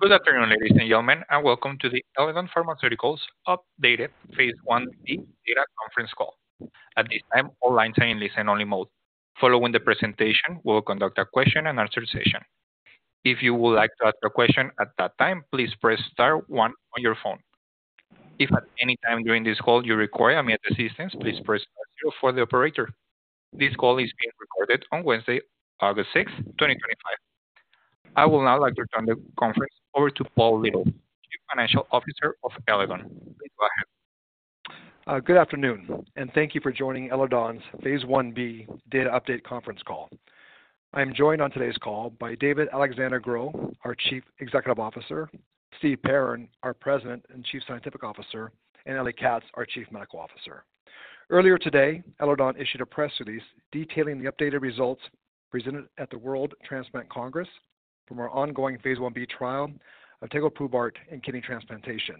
Good afternoon, ladies and gentlemen, and welcome to the Eledon Pharmaceuticals updated Phase Ib Data Conference Call. At this time, all lines are in listen-only mode. Following the presentation, we will conduct a question-and-answer session. If you would like to ask a question at that time, please press Star, one on your phone. If at any time during this call you require any assistance, please press zero for the operator. This call is being recorded on Wednesday, August 6, 2025. I will now like to turn the conference over to Paul Little, Chief Financial Officer of Eledon. Please go ahead. Good afternoon, and thank you for joining Eledon's Phase Ib Data Update Conference Call. I am joined on today's call by Dr. David-Alexandre Gros, our Chief Executive Officer, Steven Perrin, our President and Chief Scientific Officer, and Dr. Eliezer Katz, our Chief Medical Officer. Earlier today, Eledon issued a press release detailing the updated results presented at the World Transplant Congress from our ongoing phase Ib trial of tegoprubart in kidney transplantation.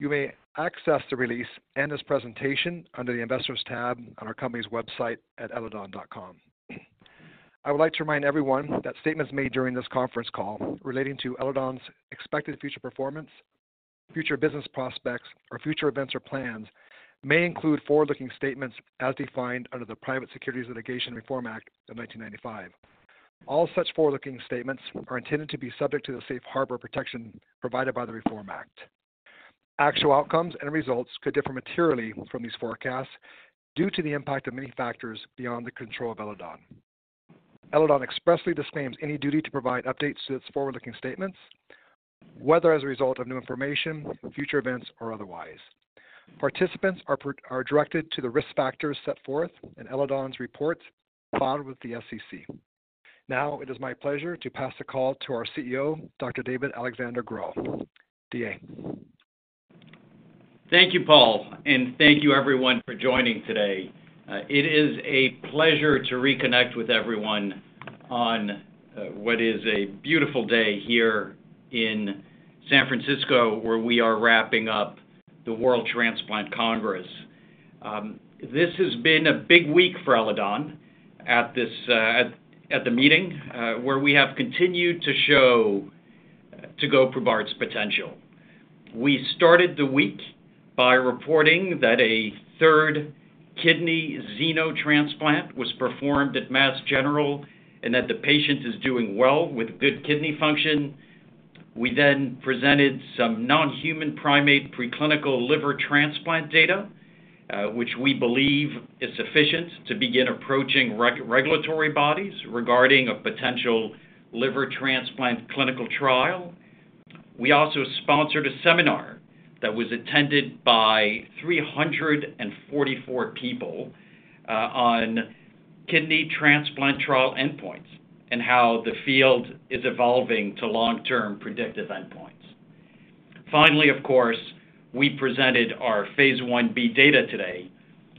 You may access the release and this presentation under the Investors tab on our company's website at eledon.com. I would like to remind everyone that statements made during this conference call relating to Eledon's expected future performance, future business prospects, or future events or plans may include forward-looking statements as defined under the Private Securities Litigation Reform Act of 1995. All such forward-looking statements are intended to be subject to the safe harbor protection provided by the Reform Act. Actual outcomes and results could differ materially from these forecasts due to the impact of many factors beyond the control of Eledon. Eledon expressly disclaims any duty to provide updates to its forward-looking statements, whether as a result of new information, future events, or otherwise. Participants are directed to the risk factors set forth in Eledon's reports filed with the SEC. Now it is my pleasure to pass the call to our CEO, Dr. David-Alexandre Gros. DA. Thank you, Paul, and thank you everyone for joining today. It is a pleasure to reconnect with everyone on what is a beautiful day here in San Francisco, where we are wrapping up the World Transplant Congress. This has been a big week for Eledon at the meeting where we have continued to show tegoprubart's potential. We started the week by reporting that a third kidney xenotransplant was performed at Mass General and that the patient is doing well with good kidney function. We then presented some non-human primate preclinical liver transplant data, which we believe is sufficient to begin approaching regulatory bodies regarding a potential liver transplant clinical trial. We also sponsored a seminar that was attended by 344 people on kidney transplant trial endpoints and how the field is evolving to long-term predictive endpoints. Finally, of course, we presented our phase Ib data today,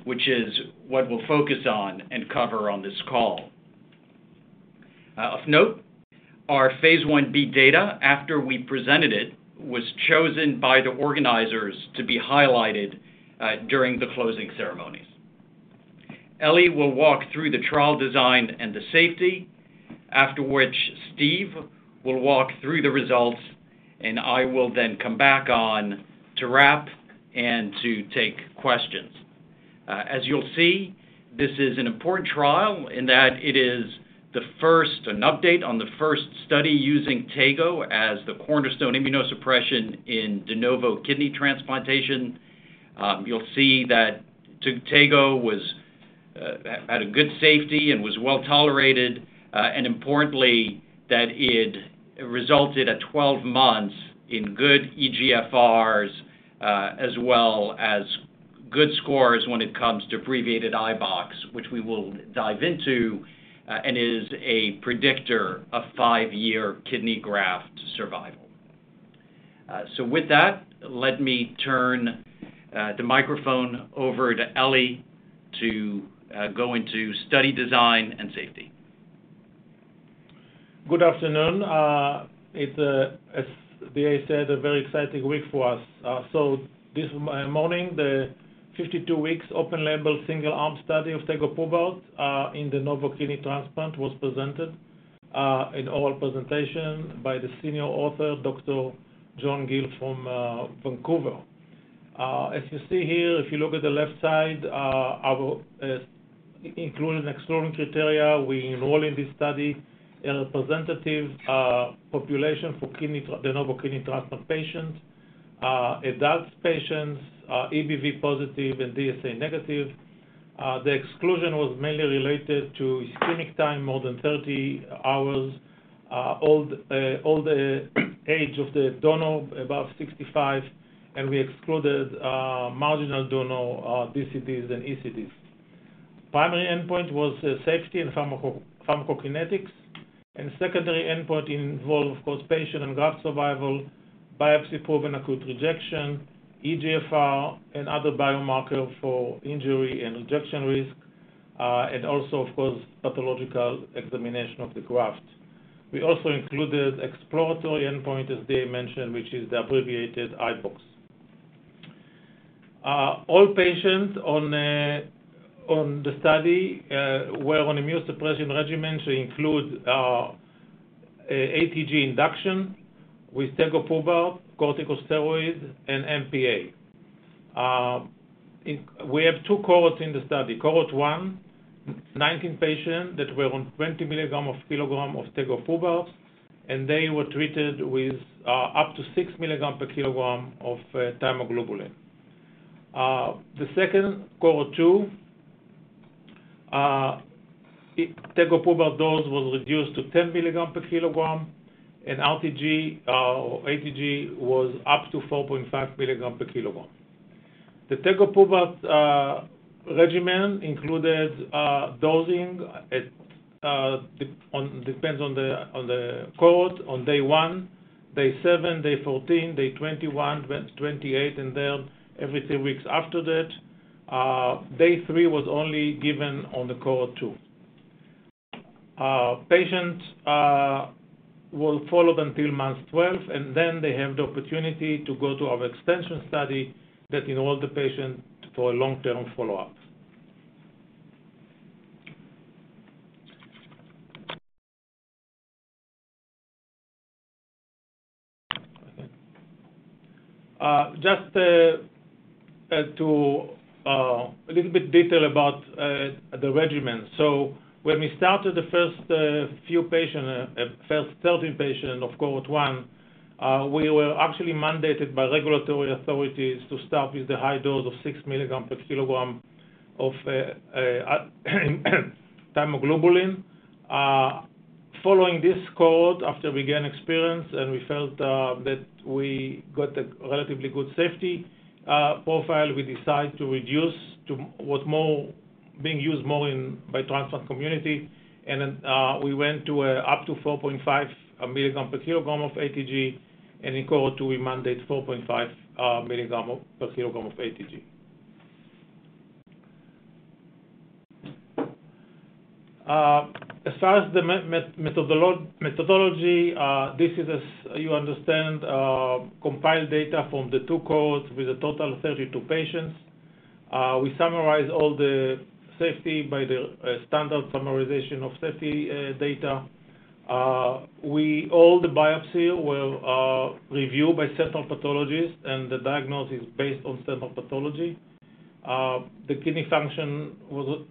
which is what we'll focus on and cover on this call. Of note, our phase Ib data, after we presented it, was chosen by the organizers to be highlighted during the closing ceremonies. Elie will walk through the trial design and the safety, after which Steve will walk through the results, and I will then come back on to wrap and to take questions. As you'll see, this is an important trial in that it is the first, an update on the first study using tego as the cornerstone immunosuppression in de novo kidney transplantation. You'll see that tego had a good safety and was well tolerated, and importantly, that it resulted at 12 months in good eGFRs as well as good scores when it comes to abbreviated iBOX, which we will dive into and is a predictor of five-year kidney graft survival. With that, let me turn the microphone over to Elie to go into study design and safety. Good afternoon. It's, as DA said, a very exciting week for us. This morning, the 52 weeks open-label single-arm study of tegoprubart in de novo kidney transplantation was presented in oral presentation by the senior author, Dr. John Gill from Vancouver. As you see here, if you look at the left side, our included in exploring criteria, we enroll in this study in a representative population for de novo kidney transplant patients, adult patients, EBV positive and DSA negative. The exclusion was mainly related to ischemic time, more than 30 hours, older age of the donor above 65, and we excluded marginal donor DCDs and ECDs. Primary endpoint was safety and pharmacokinetics, and secondary endpoint involved, of course, patient and graft survival, biopsy-proven acute rejection, eGFR, and other biomarker for injury and rejection risk, and also, of course, pathological examination of the graft. We also included exploratory endpoint, as DA mentioned, which is the abbreviated iBOX. All patients on the study were on immunosuppression regimens to include ATG induction with tegoprubart, corticosteroids, and MPA. We have two cohorts in the study. Cohort one, 19 patients that were on 20 mg per kg of tegoprubart, and they were treated with up to 6 mg per kg of thymoglobulin. The second, cohort two, tegoprubart dose was reduced to 10 mg per kg, and ATG was up to 4.5 mg per kg. The tegoprubart regimen included dosing depends on the cohort on day one, day seven, day 14, day 21, day 28, and then every three weeks after that. Day three was only given on the cohort two. Patients were followed until month 12, and then they have the opportunity to go to our extension study that enrolled the patient for a long-term follow-up. Just to add a little bit of detail about the regimen. When we started the first few patients, the first 13 patients of cohort one, we were actually mandated by regulatory authorities to start with the high dose of 6 mg per kg of thymoglobulin. Following this cohort, after we gained experience and we felt that we got a relatively good safety profile, we decided to reduce to what was being used more in the transplant community. We went to up to 4.5 mg per kg of ATG, and in cohort two, we mandated 4.5 mg per kg of ATG. As far as the methodology, this is, as you understand, compiled data from the two cohorts with a total of 32 patients. We summarized all the safety by the standard summarization of safety data. All the biopsies were reviewed by central pathologists, and the diagnosis is based on central pathology. The kidney function was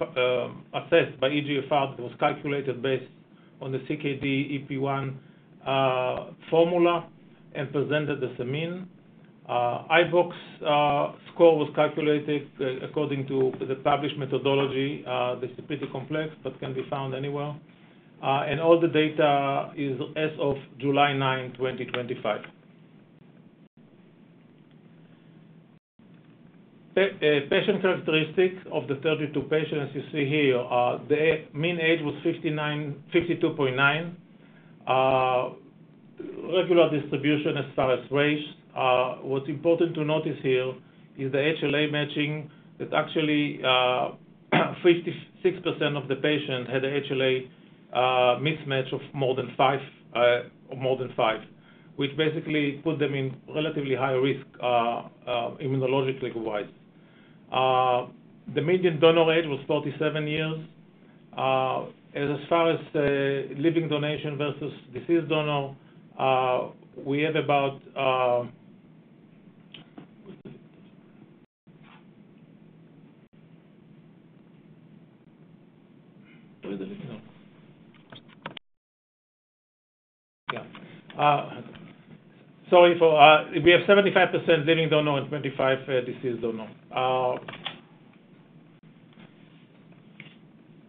assessed by eGFR that was calculated based on the CKD EPI formula and presented the same. iBOX score was calculated according to the published methodology. This is pretty complex, but can be found anywhere. All the data is as of July 9th, 2025. Patient characteristics of the 32 patients, as you see here, the mean age was 52.9. Regular distribution as far as race. What's important to notice here is the HLA matching that actually 56% of the patients had an HLA mismatch of more than five, which basically put them in relatively high risk immunologically wise. The median donor age was 47 years. As far as living donation versus deceased donor, we have about 75% living donor and 25% deceased donor.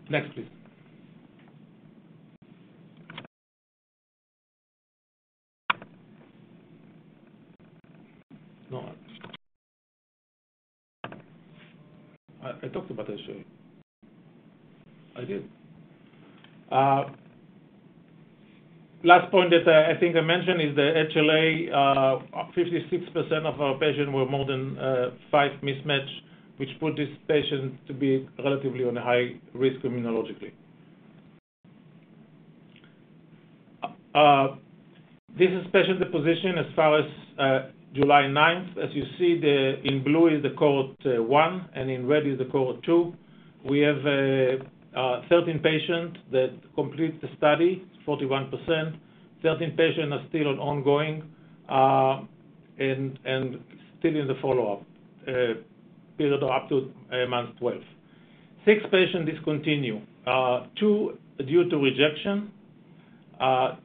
Next, please. I talked about HLA. I did. Last point that I think I mentioned is the HLA. 56% of our patients were more than five mismatch, which put this patient to be relatively on a high risk immunologically. This is patient disposition as far as July 9th. As you see, in blue is the cohort one and in red is the cohort two. We have 13 patients that complete the study, 41%. 13 patients are still ongoing and still in the follow-up period of up to month 12. Six patients discontinue, two due to rejection,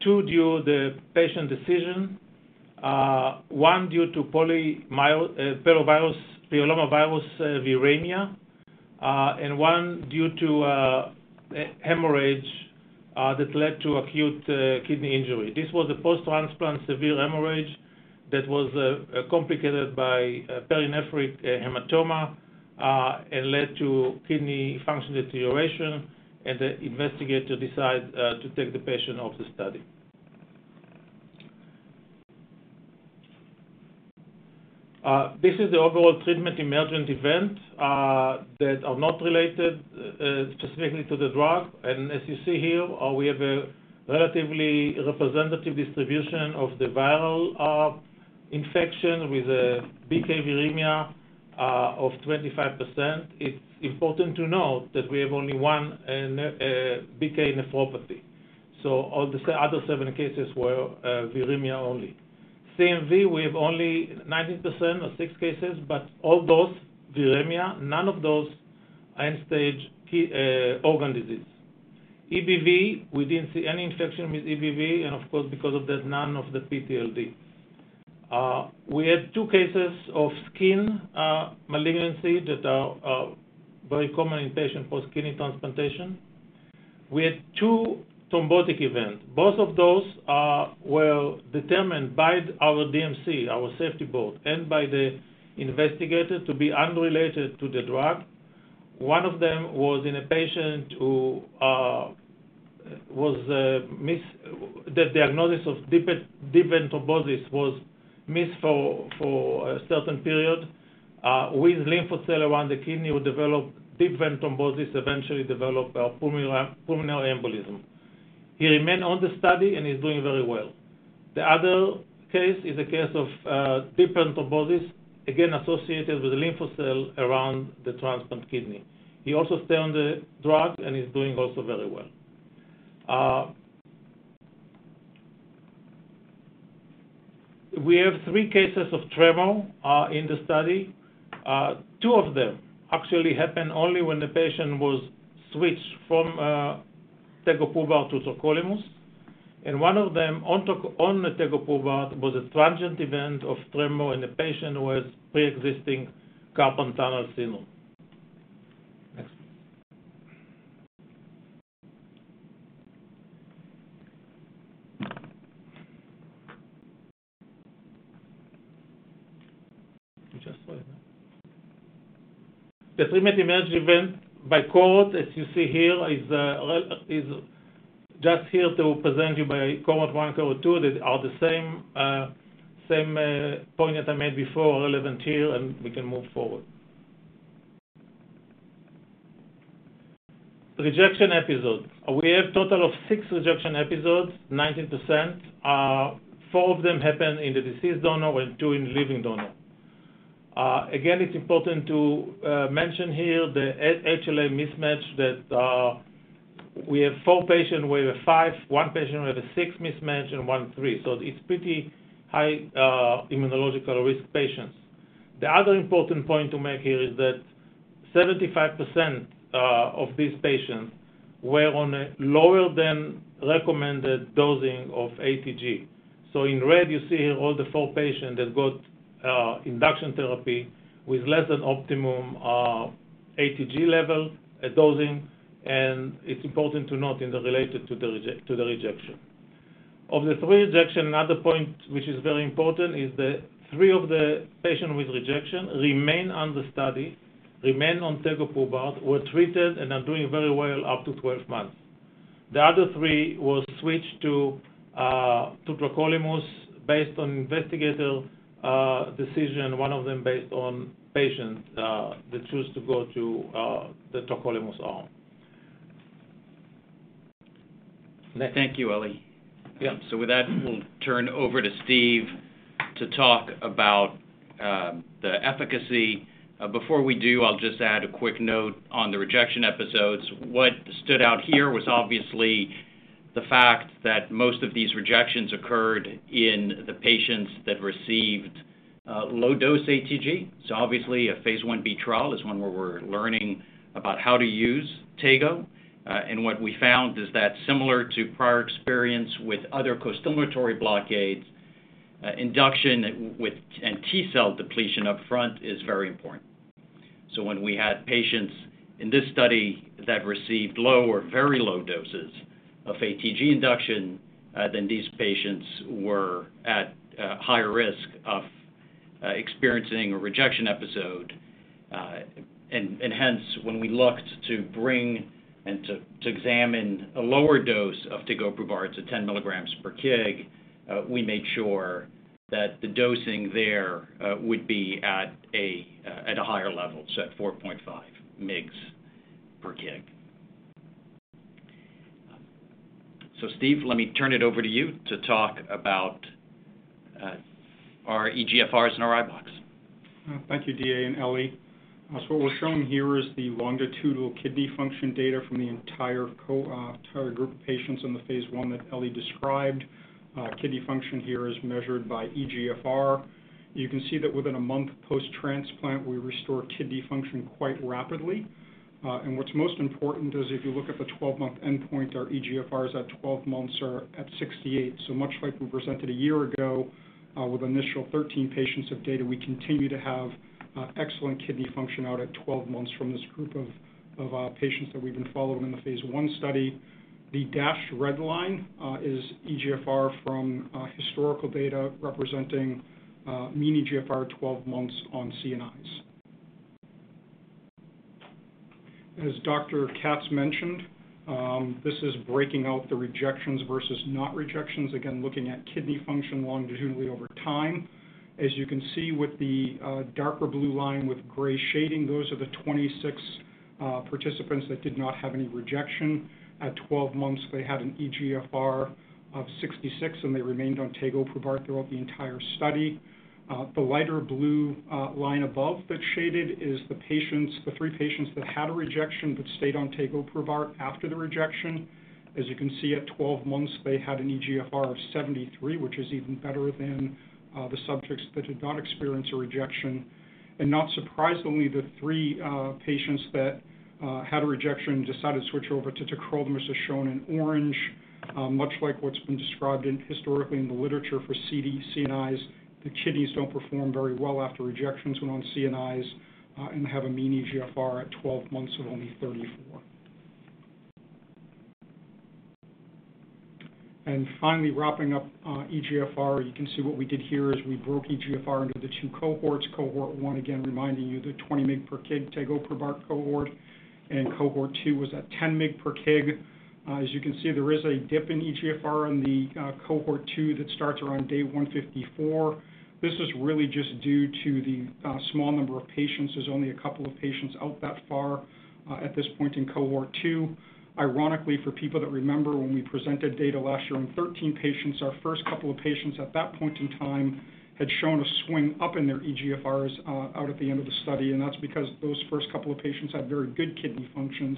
two due to the patient decision, one due to polyomavirus viremia, and one due to hemorrhage that led to acute kidney injury. This was a post-transplant severe hemorrhage that was complicated by perinephric hematoma and led to kidney function deterioration, and the investigator decided to take the patient off the study. This is the overall treatment emergent event that is not related specifically to the drug. As you see here, we have a relatively representative distribution of the viral infection with a BK viremia of 25%. It's important to note that we have only one BK nephropathy. All the other seven cases were viremia only. CMV, we have only 19% or six cases, but all those viremia, none of those end-stage organ disease. EBV, we didn't see any infection with EBV, and of course, because of that, none of the PTLD. We had two cases of skin malignancy that are very common in patients post kidney transplantation. We had two thrombotic events. Both of those were determined by our DMC, our safety board, and by the investigator to be unrelated to the drug. One of them was in a patient whose diagnosis of deep vein thrombosis was missed for a certain period. With lymphoceles around the kidney, who developed deep vein thrombosis, eventually developed a pulmonary embolism. He remained on the study and is doing very well. The other case is a case of deep vein thrombosis, again associated with lymphoceles around the transplant kidney. He also stayed on the drug and is doing also very well. We have three cases of tremor in the study. Two of them actually happened only when the patient was switched from tegoprubart to tacrolimus. One of them on tegoprubart was a transient event of tremor in a patient who has pre-existing carpal tunnel syndrome. The treatment emergent event by cohort, as you see here, is just here to present you by cohort one, cohort two that are the same point that I made before relevant here, and we can move forward. Rejection episodes. We had a total of six rejection episodes, 19%. Four of them happened in the deceased donor and two in the living donor. Again, it's important to mention here the HLA mismatch that we have four patients where we have five, one patient with a six mismatch, and one three. So it's pretty high immunological risk patients. The other important point to make here is that 75% of these patients were on a lower than recommended dosing of ATG. In red, you see here all the four patients that got induction therapy with less than optimum ATG level dosing, and it's important to note in the related to the rejection. Of the three rejections, another point which is very important is that three of the patients with rejection remained on the study, remained on tegoprubart, were treated, and are doing very well up to 12 months. The other three were switched to tacrolimus based on investigator decision, one of them based on patients that chose to go to the tacrolimus arm. Thank you, Elie. Yeah, with that, we'll turn over to Steve to talk about the efficacy. Before we do, I'll just add a quick note on the rejection episodes. What stood out here was obviously the fact that most of these rejections occurred in the patients that received low dose anti-thymocyte globulin. Obviously, a phase Ib trial is one where we're learning about how to use tegoprubart. What we found is that similar to prior experience with other co-stimulatory blockades, induction and T cell depletion up front is very important. When we had patients in this study that received low or very low doses of anti-thymocyte globulin induction, these patients were at higher risk of experiencing a rejection episode. Hence, when we looked to bring and to examine a lower dose of tegoprubart at 10 mg per kg, we made sure that the dosing there would be at a higher level, so 4.5 mg per kg. Steve, let me turn it over to you to talk about our eGFRs and our abbreviated iBOX. Thank you, DA and Elie. What we're showing here is the longitudinal kidney function data from the entire group of patients in the phase I that Elie described. Kidney function here is measured by eGFR. You can see that within a month post-transplant, we restore kidney function quite rapidly. What's most important is if you look at the 12-month endpoint, our eGFRs at 12 months are at 68. Much like we presented a year ago with initial 13 patients of data, we continue to have excellent kidney function out at 12 months from this group of patients that we've been following in the phase I study. The dashed red line is eGFR from historical data representing mean eGFR at 12 months on CNIs. As Dr. Katz mentioned, this is breaking out the rejections versus not rejections, again looking at kidney function longitudinally over time. As you can see with the darker blue line with gray shading, those are the 26 participants that did not have any rejection. At 12 months, they had an eGFR of 66 and they remained on tegoprubart throughout the entire study. The lighter blue line above that's shaded is the three patients that had a rejection but stayed on tegoprubart after the rejection. As you can see, at 12 months, they had an eGFR of 73, which is even better than the subjects that did not experience a rejection. Not surprisingly, the three patients that had a rejection decided to switch over to tacrolimus as shown in orange, much like what's been described historically in the literature for CNIs. The kidneys don't perform very well after rejections when on CNIs and have a mean eGFR at 12 months of only 34. Finally, wrapping up eGFR, you can see what we did here is we broke eGFR into the two cohorts. Cohort one, again reminding you the 20 mg per kg tegoprubart cohort, and cohort two was at 10 mg per kg. As you can see, there is a dip in eGFR in the cohort two that starts around day 154. This is really just due to the small number of patients. There's only a couple of patients out that far at this point in cohort two. Ironically, for people that remember when we presented data last year on 13 patients, our first couple of patients at that point in time had shown a swing up in their eGFRs out at the end of the study. That's because those first couple of patients had very good kidney functions.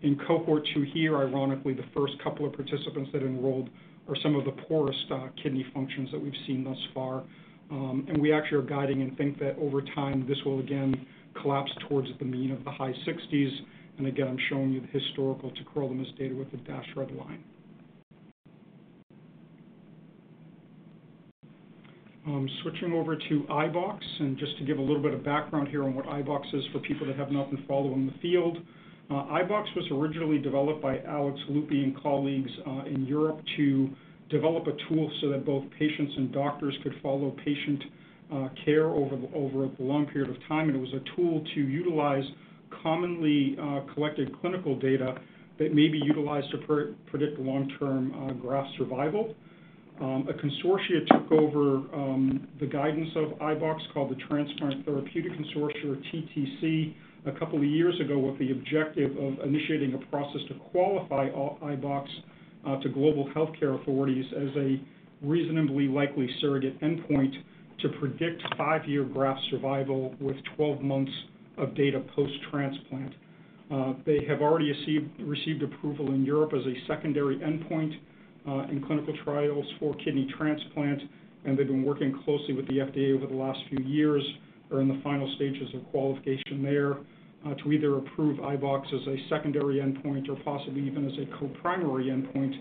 In cohort two here, ironically, the first couple of participants that enrolled are some of the poorest kidney functions that we've seen thus far. We actually are guiding and think that over time this will again collapse towards the mean of the high 60s. I'm showing you the historical tacrolimus data with the dashed red line. Switching over to iBOX, just to give a little bit of background here on what iBOX is for people that have not been following the field. iBOX was originally developed by Alex Lupi and colleagues in Europe to develop a tool so that both patients and doctors could follow patient care over a long period of time. It was a tool to utilize commonly collected clinical data that may be utilized to predict long-term graft survival. A consortium took over the guidance of iBOX called the Transplant Therapeutic Consortium or TTC a couple of years ago with the objective of initiating a process to qualify iBOX to global healthcare authorities as a reasonably likely surrogate endpoint to predict five-year graft survival with 12 months of data post-transplant. They have already received approval in Europe as a secondary endpoint in clinical trials for kidney transplant. They've been working closely with the FDA over the last few years, are in the final stages of qualification there, to either approve iBOX as a secondary endpoint or possibly even as a co-primary endpoint,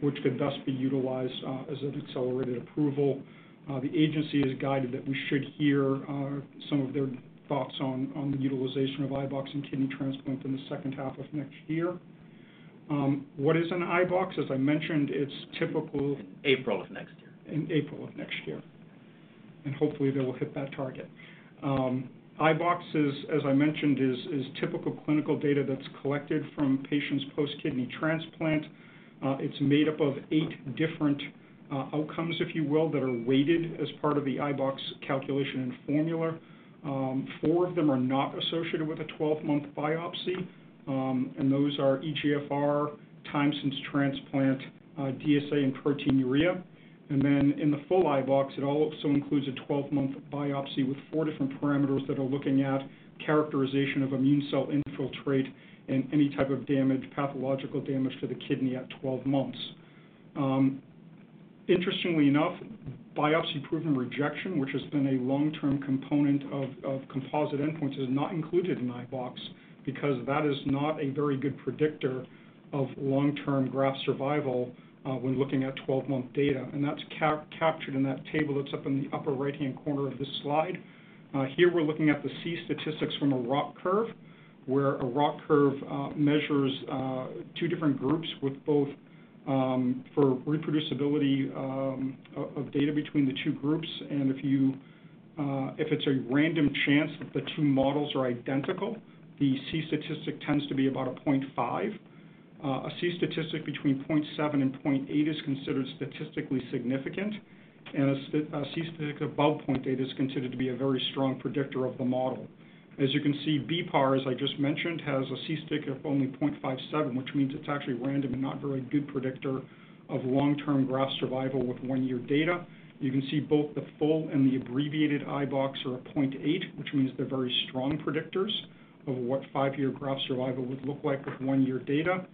which could thus be utilized as an accelerated approval. The agency is guided that we should hear some of their thoughts on the utilization of iBOX in kidney transplant in the second half of next year. What is an iBOX? As I mentioned, it's typical. In April of next year. In April of next year. Hopefully, they will hit that target. iBOX is, as I mentioned, typical clinical data that's collected from patients post-kidney transplant. It's made up of eight different outcomes, if you will, that are weighted as part of the iBOX calculation and formula. Four of them are not associated with a 12-month biopsy. Those are eGFR, time since transplant, DSA, and proteinuria. In the full iBOX, it also includes a 12-month biopsy with four different parameters that are looking at characterization of immune cell infiltrate and any type of damage, pathological damage to the kidney at 12 months. Interestingly enough, biopsy-proven rejection, which has been a long-term component of composite endpoints, is not included in iBOX because that is not a very good predictor of long-term graft survival when looking at 12-month data. That's captured in that table that's up in the upper right-hand corner of this slide. Here, we're looking at the C statistics from a ROC curve where a ROC curve measures two different groups with both for reproducibility of data between the two groups. If it's a random chance that the two models are identical, the C statistic tends to be about 0.5. A C statistic between 0.7 and 0.8 is considered statistically significant. A C statistic above 0.8 is considered to be a very strong predictor of the model. As you can see, BPAR, as I just mentioned, has a C statistic of only 0.57, which means it's actually a random and not very good predictor of long-term graft survival with one-year data. You can see both the full and the abbreviated iBOX are 0.8, which means they're very strong predictors of what five-year graft survival would look like with one-year data.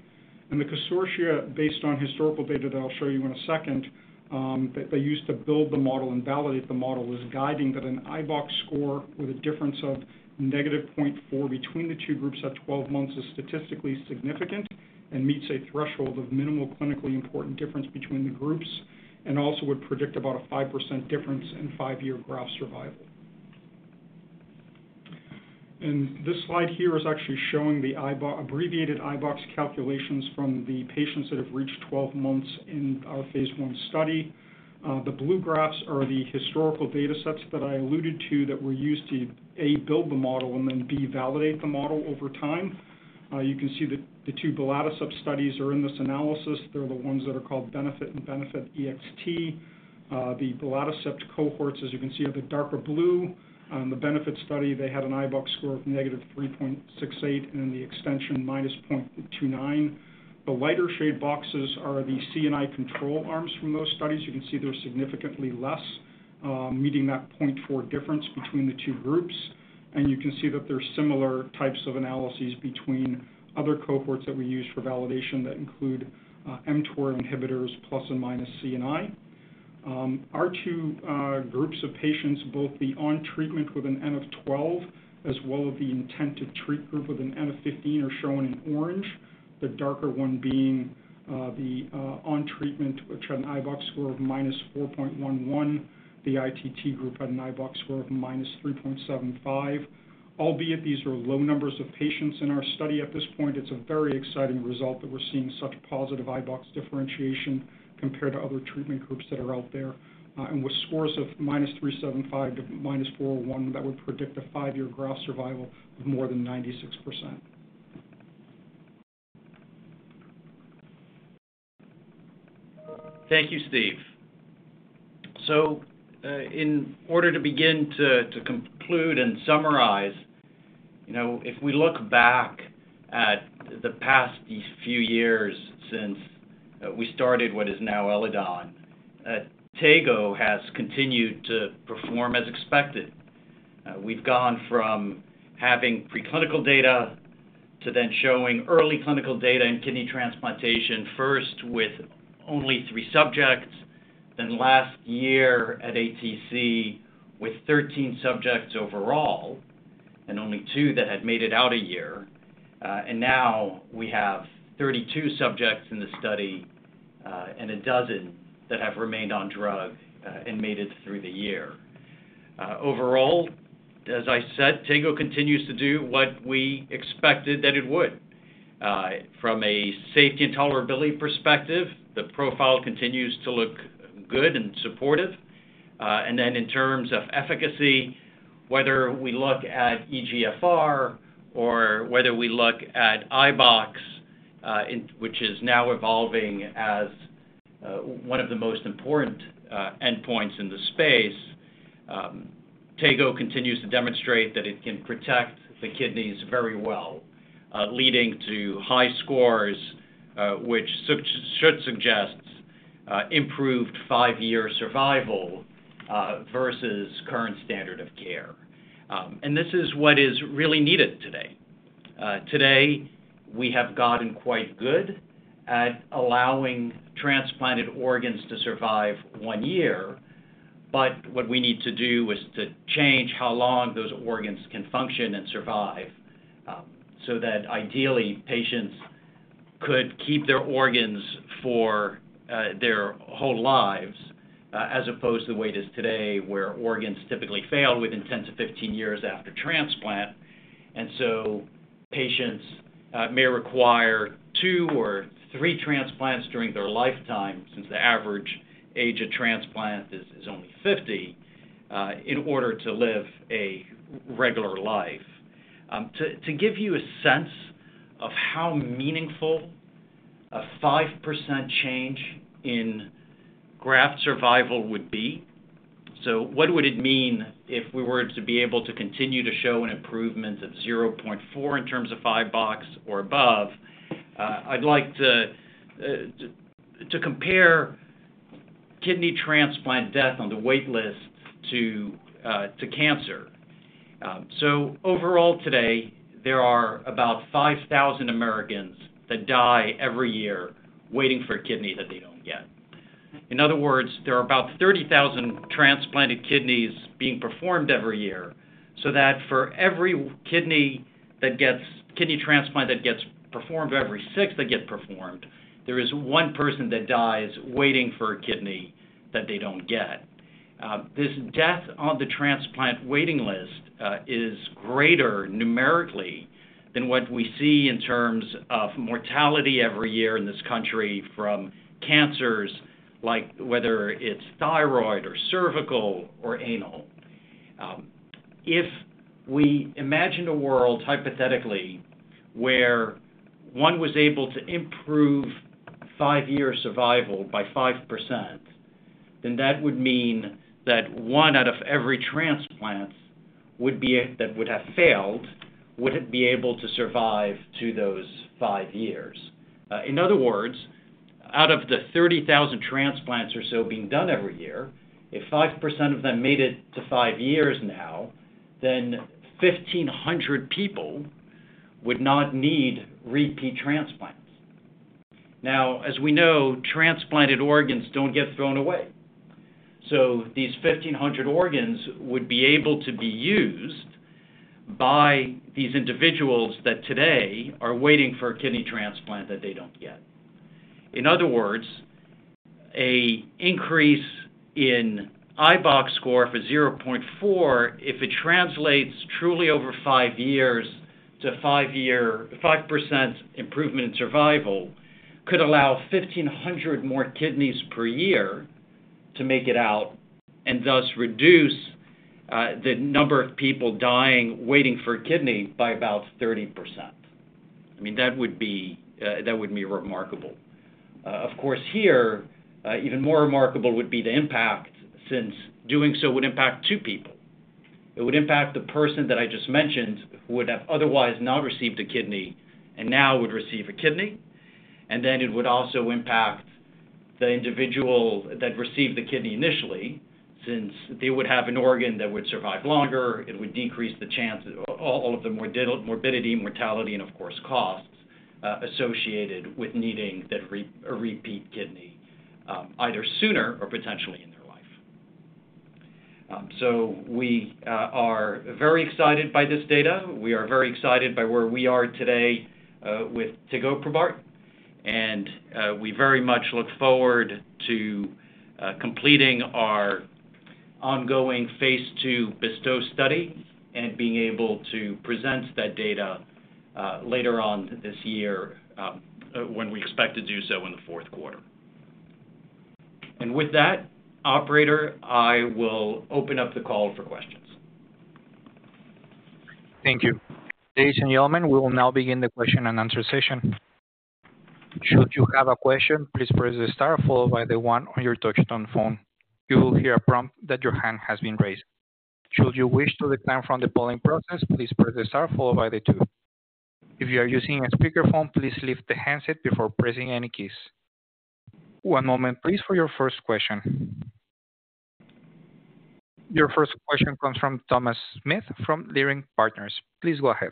The consortia, based on historical data that I'll show you in a second, that they use to build the model and validate the model is guiding that an iBOX score with a difference of -0.4 between the two groups at 12 months is statistically significant and meets a threshold of minimal clinically important difference between the groups and also would predict about a 5% difference in five-year graft survival. This slide here is actually showing the abbreviated iBOX calculations from the patients that have reached 12 months in our phase I study. The blue graphs are the historical data sets that I alluded to that were used to, A, build the model and then, B, validate the model over time. You can see that the two BELATACEPT studies are in this analysis. They're the ones that are called BENEFIT and BENEFIT-EXT. The BELATACEPT cohorts, as you can see, are the darker blue. In the BENEFIT study, they had an iBOX score of minus 3.68 and in the extension minus 0.29. The lighter shade boxes are the CNI control arms from those studies. You can see they're significantly less, meeting that 0.4 difference between the two groups. You can see that there are similar types of analyses between other cohorts that we use for validation that include mTOR inhibitors plus and minus CNI. Our two groups of patients, both the on-treatment with an N of 12 as well as the intent-to-treat group with an N of 15, are shown in orange. The darker one being the on-treatment, which had an iBOX score of -4.11. The ITT group had an iBOX score of -3.75. Albeit these are low numbers of patients in our study at this point, it's a very exciting result that we're seeing such positive iBOX differentiation compared to other treatment groups that are out there. With scores of minus 3.75-minus 4.11, that would predict a five-year graft survival of more than 96%. Thank you, Steve. In order to begin to conclude and summarize, if we look back at the past few years since we started what is now Eledon, tegoprubart has continued to perform as expected. We've gone from having preclinical data to then showing early clinical data in kidney transplantation, first with only three subjects, then last year at ATC with 13 subjects overall and only two that had made it out a year. Now we have 32 subjects in the study and a dozen that have remained on drug and made it through the year. Overall, as I said, tegoprubart continues to do what we expected that it would. From a safety and tolerability perspective, the profile continues to look good and supportive. In terms of efficacy, whether we look at eGFR or whether we look at the abbreviated iBOX score, which is now evolving as one of the most important endpoints in the space, tegoprubart continues to demonstrate that it can protect the kidneys very well, leading to high scores, which should suggest improved five-year survival versus current standard of care. This is what is really needed today. We have gotten quite good at allowing transplanted organs to survive one year, but what we need to do is to change how long those organs can function and survive so that ideally patients could keep their organs for their whole lives as opposed to the way it is today where organs typically fail within 10-15 years after transplant. Patients may require two or three transplants during their lifetime since the average age of transplant is only 50 in order to live a regular life. To give you a sense of how meaningful a 5% change in graft survival would be, what would it mean if we were to be able to continue to show an improvement of 0.4 in terms of the abbreviated iBOX score or above, I'd like to compare kidney transplant death on the waitlist to cancer. Overall today, there are about 5,000 Americans that die every year waiting for a kidney that they don't get. In other words, there are about 30,000 transplanted kidneys being performed every year so that for every kidney transplant that gets performed, every sixth that gets performed, there is one person that dies waiting for a kidney that they don't get. This death on the transplant waiting list is greater numerically than what we see in terms of mortality every year in this country from cancers, like whether it's thyroid or cervical or anal. If we imagine a world hypothetically where one was able to improve five-year survival by 5%, then that would mean that one out of every transplant that would have failed would be able to survive to those five years. In other words, out of the 30,000 transplants or so being done every year, if 5% of them made it to five years now, then 1,500 people would not need repeat transplants. As we know, transplanted organs don't get thrown away. These 1,500 organs would be able to be used by these individuals that today are waiting for a kidney transplant that they don't get. In other words, an increase in iBOX score for 0.4, if it translates truly over five years to 5% improvement in survival, could allow 1,500 more kidneys per year to make it out and thus reduce the number of people dying waiting for a kidney by about 30%. That would be remarkable. Of course, here, even more remarkable would be the impact since doing so would impact two people. It would impact the person that I just mentioned who would have otherwise not received a kidney and now would receive a kidney. It would also impact the individual that received the kidney initially since they would have an organ that would survive longer. It would decrease the chance of all of the morbidity, mortality, and of course, costs associated with needing a repeat kidney either sooner or potentially in their life. We are very excited by this data. We are very excited by where we are today with tegoprubart. We very much look forward to completing our ongoing phase II BESTOW study and being able to present that data later on this year when we expect to do so in the fourth quarter. With that, operator, I will open up the call for questions. Thank you gentlemen, we'll now begin the question-and-answer session. Should you have a question, please press the Star followed by the one on your touchtone phone. You will hear a prompt that your hand has been raised. Should you wish to decline from the polling process, please press the Star followed by the two. If you are using a speakerphone, please lift the handset before pressing any keys. One moment, please, for your first question. Your first question comes from Thomas Smith from Leerink Partners. Please go ahead.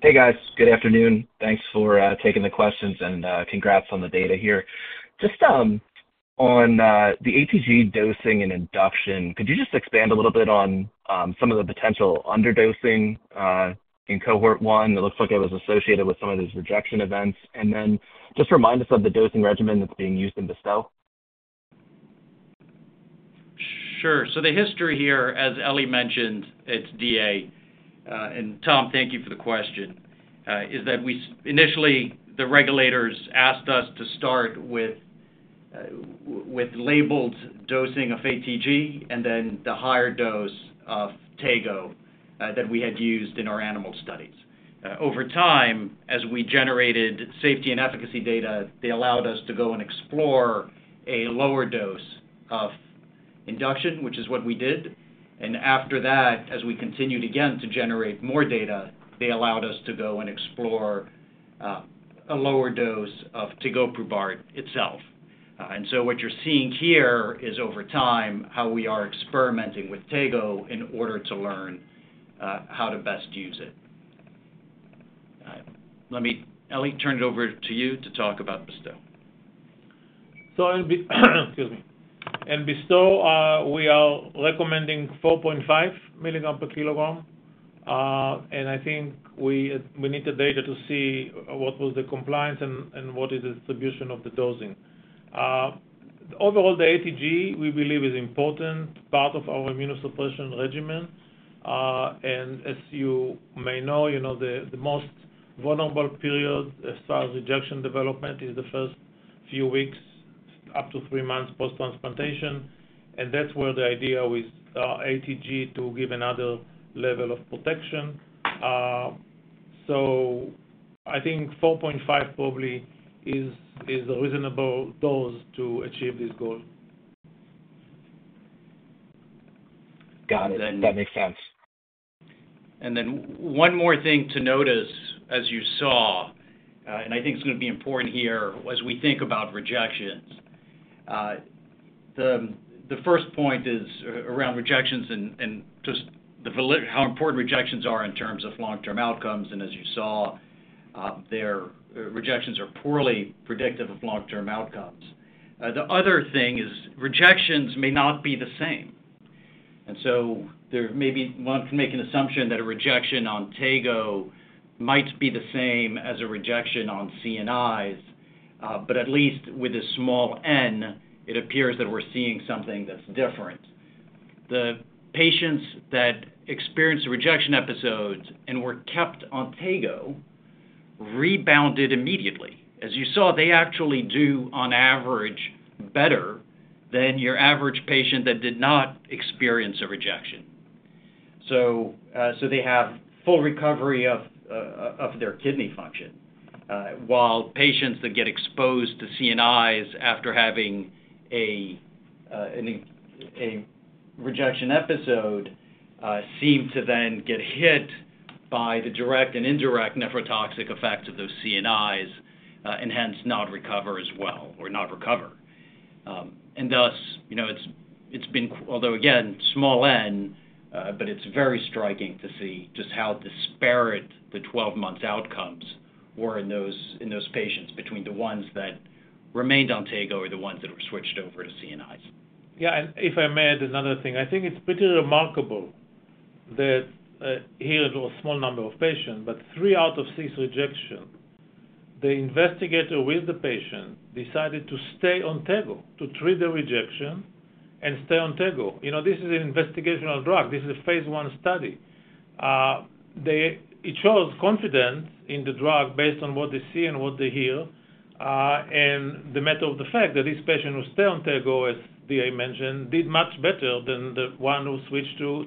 Hey, guys. Good afternoon. Thanks for taking the questions and congrats on the data here. Just on the anti-thymocyte globulin dosing and induction, could you just expand a little bit on some of the potential underdosing in cohort one? It looks like it was associated with some of these rejection events. Could you just remind us of the dosing regimen that's being used in BESTOW? Sure. The history here, as Elie mentioned, it's DA. Tom, thank you for the question. We initially, the regulators asked us to start with labeled dosing of ATG and then the higher dose of tego that we had used in our animal studies. Over time, as we generated safety and efficacy data, they allowed us to go and explore a lower dose of induction, which is what we did. After that, as we continued again to generate more data, they allowed us to go and explore a lower dose of tegoprubart itself. What you're seeing here is over time how we are experimenting with tego in order to learn how to best use it. Let me, Elie, turn it over to you to talk about BESTOW. Sorry. Excuse me. In BESTOW, we are recommending 4.5 mg per kg. I think we need the data to see what was the compliance and what is the distribution of the dosing. Overall, the ATG we believe is an important part of our immunosuppression regimen. As you may know, the most vulnerable period as far as rejection development is the first few weeks, up to three months post-transplantation. That's where the idea with ATG is to give another level of protection. I think 4.5 mg probably is a reasonable dose to achieve this goal. Got it. That makes sense. One more thing to notice, as you saw, and I think it's going to be important here as we think about rejections. The first point is around rejections and just how important rejections are in terms of long-term outcomes. As you saw, their rejections are poorly predictive of long-term outcomes. The other thing is rejections may not be the same. There may be one can make an assumption that a rejection on tego might be the same as a rejection on CNIs. At least with a small N, it appears that we're seeing something that's different. The patients that experienced the rejection episodes and were kept on tegoprubart rebounded immediately. As you saw, they actually do on average better than your average patient that did not experience a rejection. They have full recovery of their kidney function. While patients that get exposed to CNIs after having a rejection episode seem to then get hit by the direct and indirect nephrotoxic effects of those CNIs and hence not recover as well or not recover. It has been, although again, small N, but it's very striking to see just how disparate the 12-month outcomes were in those patients between the ones that remained on tegoprubart or the ones that were switched over to CNIs. Yeah. If I may add another thing, I think it's pretty remarkable that here it was a small number of patients, but three out of six rejections, the investigator with the patient decided to stay on tegoprubart to treat the rejection and stay on tegoprubart. You know this is an investigational drug. This is a phase I study. It shows confidence in the drug based on what they see and what they hear. The matter of the fact that this patient who stayed on tegoprubart, as DA mentioned, did much better than the one who switched to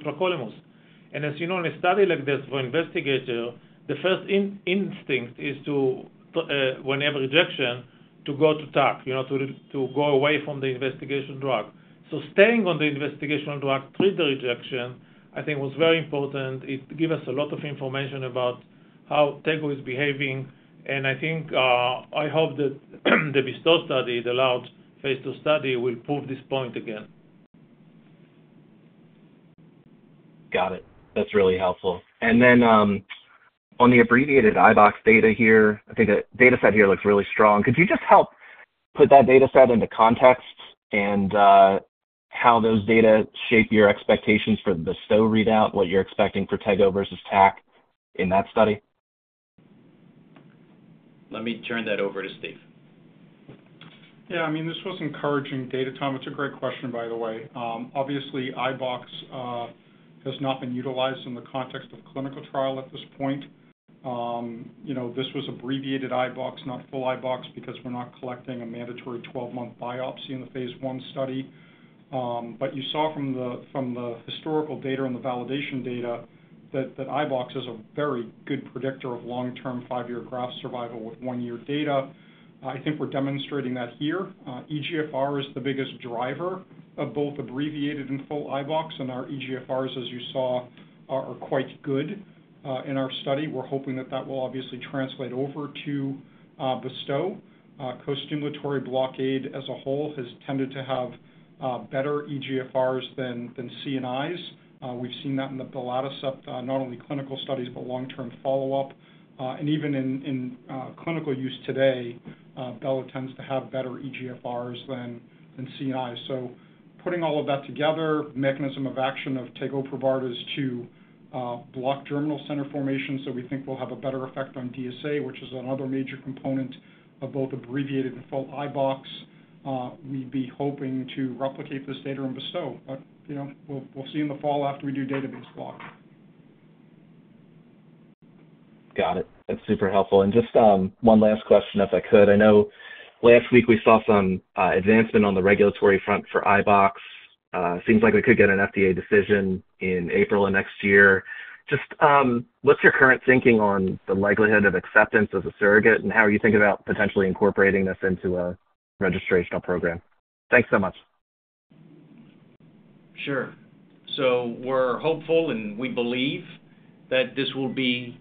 tacrolimus. As you know, in a study like this for investigators, the first instinct is to, when you have a rejection, to go to tacrolimus, to go away from the investigational drug. Staying on the investigational drug to treat the rejection, I think, was very important. It gives us a lot of information about how tegoprubart is behaving. I think I hope that the BESTOW study, the allowed phase II study, will prove this point again. Got it. That's really helpful. On the abbreviated iBOX data here, I think the data set here looks really strong. Could you just help put that data set into context and how those data shape your expectations for the BESTOW readout, what you're expecting for tegoprubart versus tacrolimus in that study? Let me turn that over to Steve. Yeah. I mean, this was encouraging data, Tom. It's a great question, by the way. Obviously, iBOX has not been utilized in the context of a clinical trial at this point. This was abbreviated iBOX, not full iBOX, because we're not collecting a mandatory 12-month biopsy in the phase I study. You saw from the historical data and the validation data that iBOX is a very good predictor of long-term five-year graft survival with one-year data. I think we're demonstrating that here. eGFR is the biggest driver of both abbreviated and full iBOX, and our eGFRs, as you saw, are quite good in our study. We're hoping that that will obviously translate over to BESTOW. Co-stimulatory blockade as a whole has tended to have better eGFRs than CNIs. We've seen that in the belatacept, not only clinical studies, but long-term follow-up. Even in clinical use today, bela tends to have better eGFRs than CNIs. Putting all of that together, the mechanism of action of tegoprubart is to block germinal center formation, so we think we'll have a better effect on DSA, which is another major component of both abbreviated and full iBOX. We'd be hoping to replicate this data in BESTOW. We'll see in the fall after we do database lock. Got it. That's super helpful. Just one last question, if I could. I know last week we saw some advancement on the regulatory front for iBOX. It seems like we could get an FDA decision in April of next year. What's your current thinking on the likelihood of acceptance as a surrogate and how are you thinking about potentially incorporating this into a registration program? Thanks so much. Sure. We're hopeful and we believe that this will be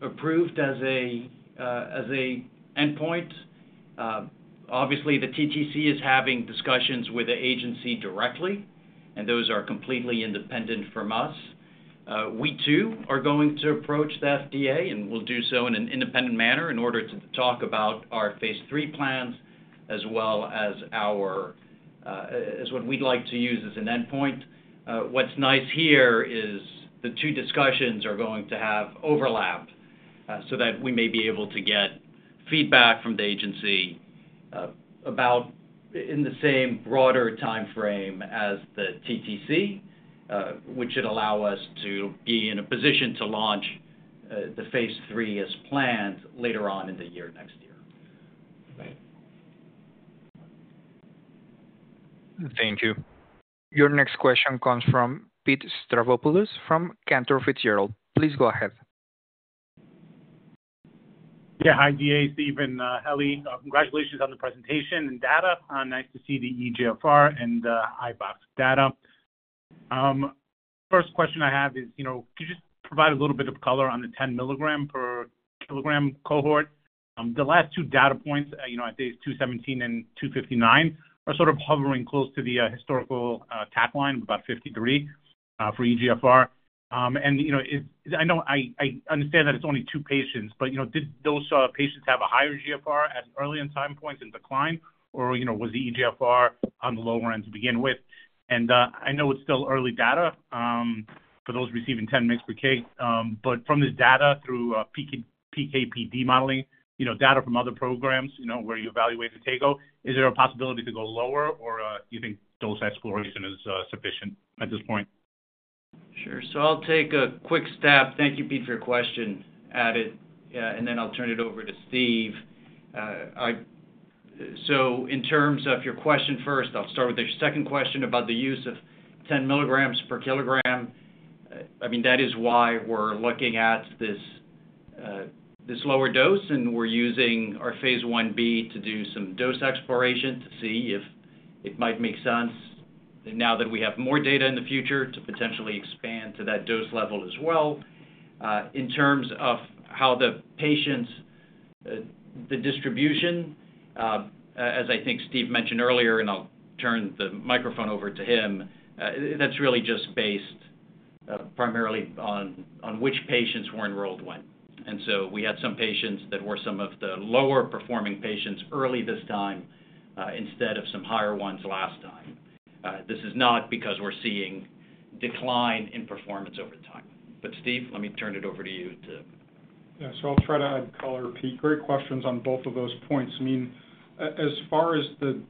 approved as an endpoint. Obviously, the TTC is having discussions with the agency directly, and those are completely independent from us. We too are going to approach the FDA, and we'll do so in an independent manner in order to talk about our phase III plans as well as what we'd like to use as an endpoint. What's nice here is the two discussions are going to have overlap so that we may be able to get feedback from the agency about in the same broader timeframe as the TTC, which should allow us to be in a position to launch the phase III as planned later on in the year next year. Thank you. Your next question comes from Pete Stavropoulos from Cantor Fitzgerald. Please go ahead. Yeah. Hi, DA, Steven, Elie. Congratulations on the presentation and data. Nice to see the eGFR and iBOX data. First question I have is, you know, could you just provide a little bit of color on the 10 mg per kg cohort? The last two data points, you know, at days 217 and 259, are sort of hovering close to the historical tac line of about 53 mg for eGFR. You know, I know I understand that it's only two patients, but, you know, did those patients have a higher eGFR at early in time points and decline, or, you know, was the eGFR on the lower end to begin with? I know it's still early data for those receiving 10 mg per kg. From this data through PKPD modeling, you know, data from other programs, you know, where you evaluate the tegoprubart, is there a possibility to go lower, or do you think dose exploration is sufficient at this point? Sure. I'll take a quick step. Thank you, Pete, for your question. I'll turn it over to Steve. In terms of your question, first, I'll start with the second question about the use of 10 mg per kg. That is why we're looking at this lower dose, and we're using our phase Ib to do some dose exploration to see if it might make sense. Now that we have more data, in the future we may potentially expand to that dose level as well. In terms of how the patients, the distribution, as I think Steve mentioned earlier, and I'll turn the microphone over to him, that's really just based primarily on which patients were enrolled when. We had some patients that were some of the lower performing patients early this time instead of some higher ones last time. This is not because we're seeing a decline in performance over time. Steve, let me turn it over to you. Yeah. I'll try to add color. Pete, great questions on both of those points. As far as the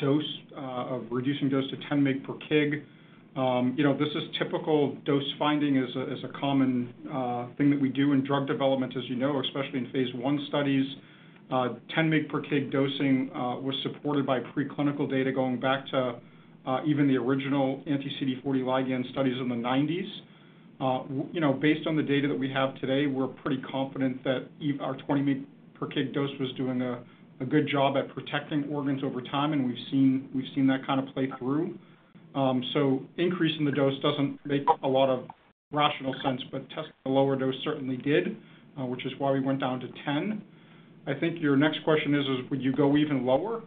dose of reducing dose to 10 mg per kg, this is typical dose finding as a common thing that we do in drug development, as you know, especially in phase I studies. 10 mg per kg dosing was supported by preclinical data going back to even the original anti-CD40 ligand studies in the 1990s. Based on the data that we have today, we're pretty confident that our 20 mg per kg dose was doing a good job at protecting organs over time, and we've seen that kind of play through. Increasing the dose doesn't make a lot of rational sense, but testing a lower dose certainly did, which is why we went down to 10 mg. I think your next question is, would you go even lower?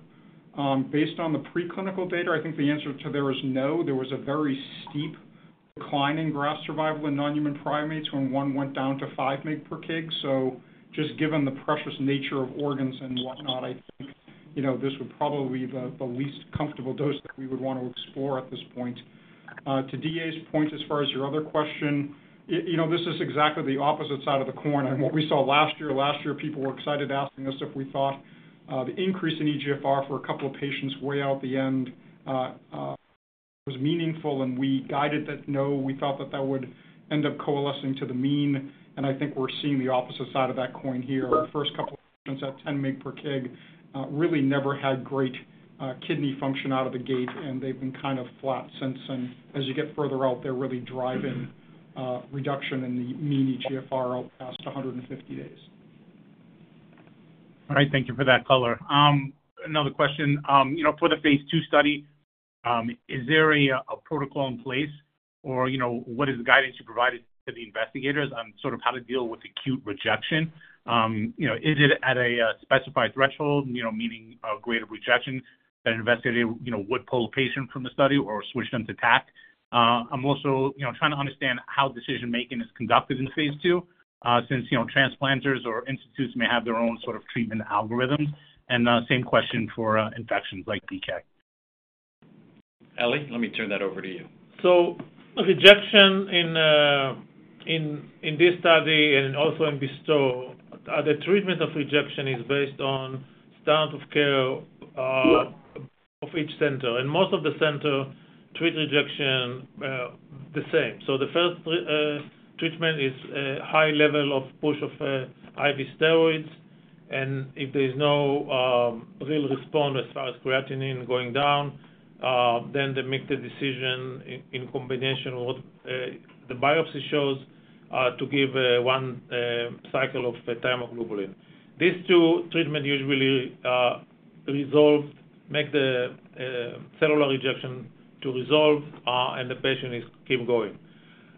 Based on the preclinical data, I think the answer there is no. There was a very steep decline in graft survival in non-human primates when one went down to 5 mg per kg. Just given the precious nature of organs and whatnot, I think this would probably be the least comfortable dose that we would want to explore at this point. To DA's point, as far as your other question, this is exactly the opposite side of the coin on what we saw last year. Last year, people were excited asking us if we thought the increase in eGFR for a couple of patients way out the end was meaningful, and we guided that no. We thought that that would end up coalescing to the mean. I think we're seeing the opposite side of that coin here. Our first couple of patients at 10 mg per kg really never had great kidney function out of the gate, and they've been kind of flat since. As you get further out, they're really driving reduction in the mean eGFR out past 150 days. All right. Thank you for that color. Another question. For the phase II study, is there a protocol in place, or what is the guidance you provided to the investigators on how to deal with acute rejection? Is it at a specified threshold, meaning a greater rejection that an investigator would pull a patient from the study or switch them to tacrolimus? I'm also trying to understand how decision-making is conducted in Phase II since transplanters or institutes may have their own treatment algorithms. Same question for infections like DCAC. Elie, let me turn that over to you. Rejection in this study and also in BESTOW, the treatment of rejection is based on standard of care of each center. Most of the centers treat rejection the same. The first treatment is a high level of push of IV steroids. If there is no real response as far as creatinine going down, then they make a decision in combination with what the biopsy shows to give one cycle of anti-thymocyte globulin. These two treatments usually resolve, make the cellular rejection resolve, and the patient keeps going.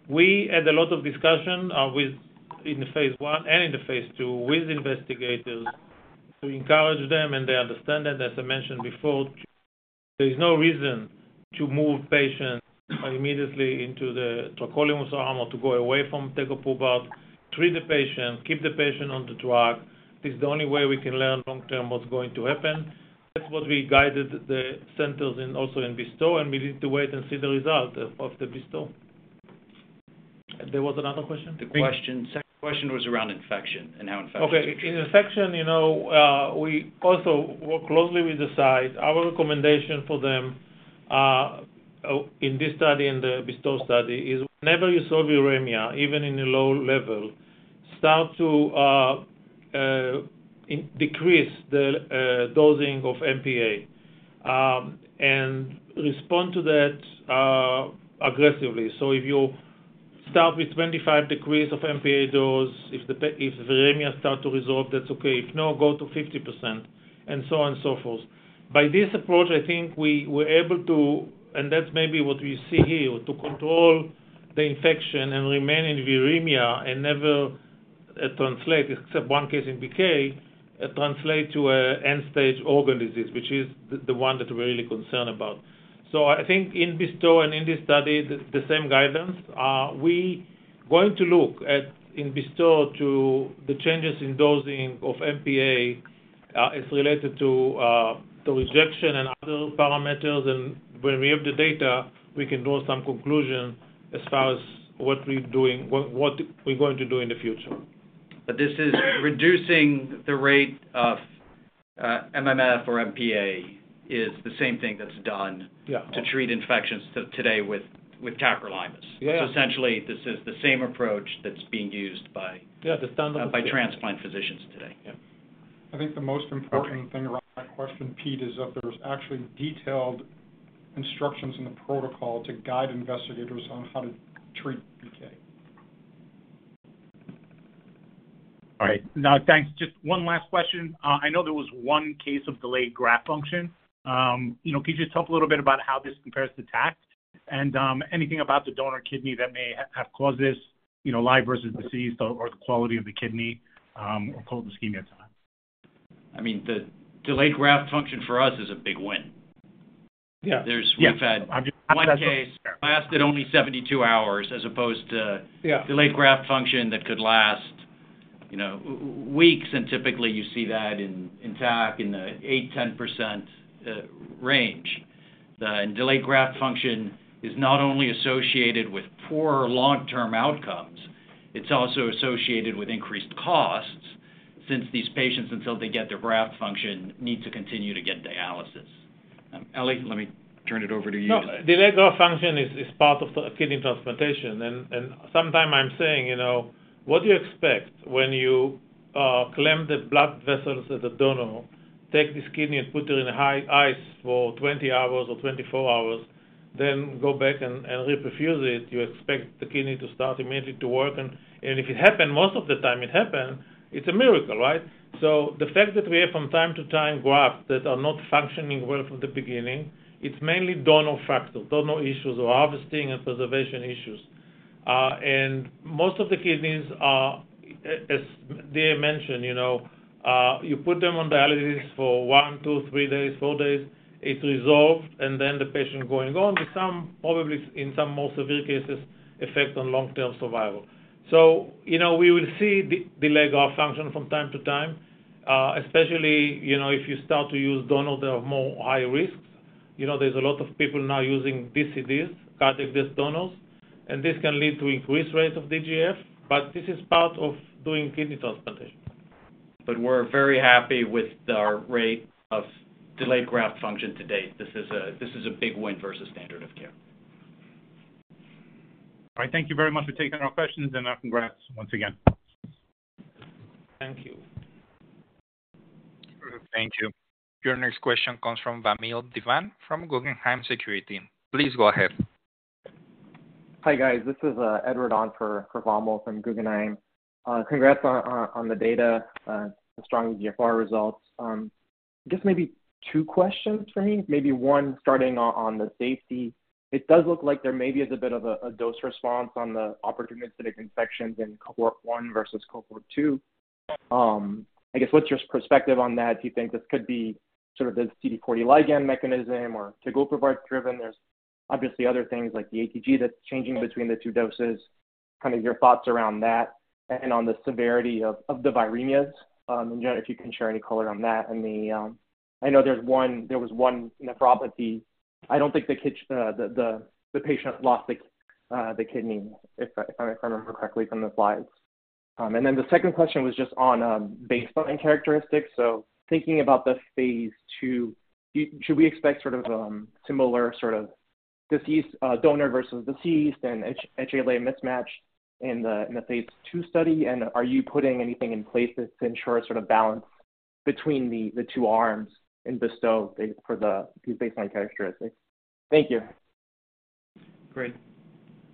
We had a lot of discussion in phase I and in the phase II with investigators to encourage them, and they understand that, as I mentioned before, there is no reason to move patients immediately into the tacrolimus arm or to go away from tegoprubart. Treat the patients, keep the patient on the drug. This is the only way we can learn long-term what's going to happen. That's what we guided the centers in also in BESTOW, and we need to wait and see the result of the BESTOW. There was another question? The second question was around infection and how infection. Okay. In infection, you know, we also work closely with the site. Our recommendation for them in this study and the BESTOW study is whenever you solve uremia, even in a low level, start to decrease the dosing of MPA and respond to that aggressively. If you start with 25% of MPA dose, if the uremia starts to resolve, that's okay. If not, go to 50% and so on and so forth. By this approach, I think we were able to, and that's maybe what we see here, to control the infection and remain in uremia and never translate, except one case in BK, translate to an end-stage organ disease, which is the one that we're really concerned about. I think in BESTOW and in this study, the same guidance. We are going to look at in BESTOW to the changes in dosing of MPA as related to the rejection and other parameters. When we have the data, we can draw some conclusions as far as what we're doing, what we're going to do in the future. This is reducing the rate of MMF or MPA, which is the same thing that's done to treat infections today with tacrolimus. Essentially, this is the same approach that's being used by transplant physicians today. Yeah. I think the most important thing about that question, Pete, is that there's actually detailed instructions in the protocol to guide investigators on how to treat BK. All right. Thanks. Just one last question. I know there was one case of delayed graft function. Could you just talk a little bit about how this compares to tacrolimus and anything about the donor kidney that may have caused this, live versus deceased or the quality of the kidney or cold ischemia time? I mean, the delayed graft function for us is a big win. We've had one case lasted only 72 hours as opposed to delayed graft function that could last, you know, weeks. Typically, you see that in tacrolimus in the 8%-10% range. Delayed graft function is not only associated with poorer long-term outcomes, it's also associated with increased costs since these patients, until they get their graft function, need to continue to get dialysis. Elie, let me turn it over to you. Delayed graft function is part of the kidney transplantation. Sometimes I'm saying, you know, what do you expect when you clamp the blood vessels at the donor, take this kidney and put it in high ice for 20 hours or 24 hours, then go back and reperfuse it? You expect the kidney to start immediately to work. If it happened, most of the time it happened, it's a miracle, right? The fact that we have from time to time grafts that are not functioning well from the beginning, it's mainly donor fractures, donor issues, or harvesting and preservation issues. Most of the kidneys are, as DA mentioned, you know, you put them on dialysis for one, two, three days, four days, it's resolved, and then the patient going on with some, probably in some more severe cases, effect on long-term survival. We will see delayed graft function from time to time, especially, you know, if you start to use donors that are more high risk. There's a lot of people now using DCDs, cardiac death donors, and this can lead to increased rate of DGF, but this is part of doing kidney transplantation. We are very happy with our rate of delayed graft function to date. This is a big win versus standard of care. All right. Thank you very much for taking our questions, and congrats once again. Thank you. Thank you. Your next question comes from Vamil Divan from Guggenheim Securities. Please go ahead. Hi, guys. This is Edward on for Vamil from Guggenheim. Congrats on the data, the strong eGFR results. I guess maybe two questions for me. Maybe one starting on the safety. It does look like there may be a bit of a dose response on the opportunistic infections in cohort one versus cohort two. I guess what's your perspective on that? Do you think this could be sort of the CD40 ligand mechanism or tegoprubart driven? There's obviously other things like ATG that's changing between the two doses. Kind of your thoughts around that and on the severity of the viremia? If you can share any color on that. I know there was one nephropathy. I don't think the patient lost the kidney, if I remember correctly from the slides. The second question was just on baseline characteristics. Thinking about the phase II, should we expect sort of similar sort of donor versus deceased and HLA mismatch in the phase II study? Are you putting anything in place to ensure sort of balance between the two arms in BESTOW for these baseline characteristics? Thank you. Great.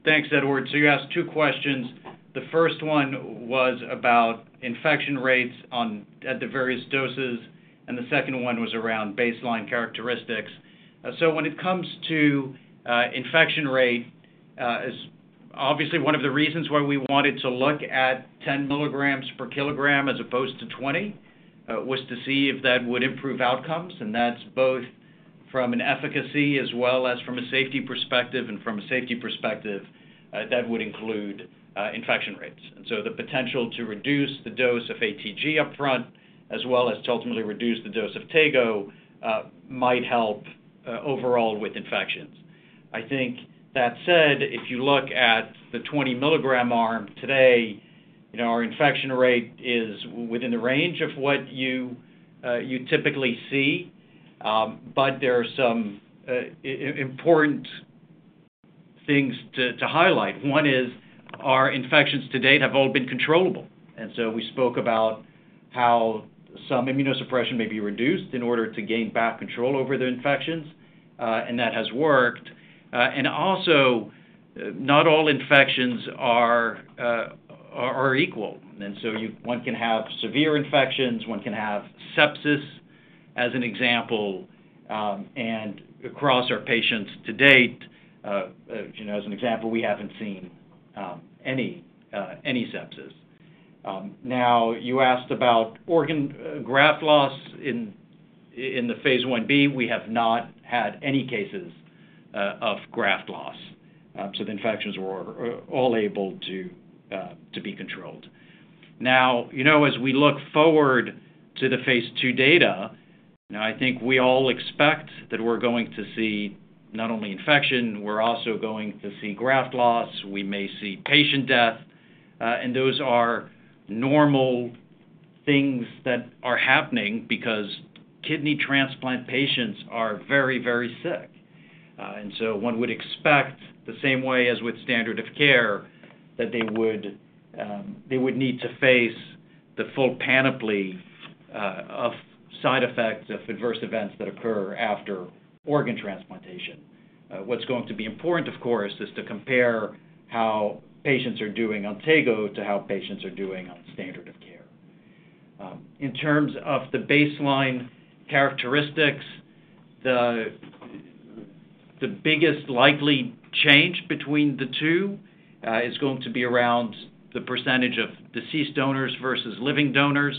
Thanks, Edward. You asked two questions. The first one was about infection rates at the various doses, and the second one was around baseline characteristics. When it comes to infection rate, obviously, one of the reasons why we wanted to look at 10 mg per kg as opposed to 20 mg was to see if that would improve outcomes. That's both from an efficacy as well as from a safety perspective. From a safety perspective, that would include infection rates. The potential to reduce the dose of ATG upfront, as well as to ultimately reduce the dose of tego, might help overall with infections. That said, if you look at the 20 mg arm today, our infection rate is within the range of what you typically see. There are some important things to highlight. One is our infections to date have all been controllable. We spoke about how some immunosuppression may be reduced in order to gain back control over the infections, and that has worked. Also, not all infections are equal. One can have severe infections, one can have sepsis, as an example. Across our patients to date, as an example, we haven't seen any sepsis. You asked about organ graft loss in the phase Ib. We have not had any cases of graft loss. The infections were all able to be controlled. As we look forward to the phase II data, I think we all expect that we're going to see not only infection, we're also going to see graft loss. We may see patient death. Those are normal things that are happening because kidney transplant patients are very, very sick. One would expect, the same way as with standard of care, that they would need to face the full panoply of side effects of adverse events that occur after organ transplantation. What's going to be important, of course, is to compare how patients are doing on tegoprubart to how patients are doing on standard of care. In terms of the baseline characteristics, the biggest likely change between the two is going to be around the percentage of deceased donors versus living donors.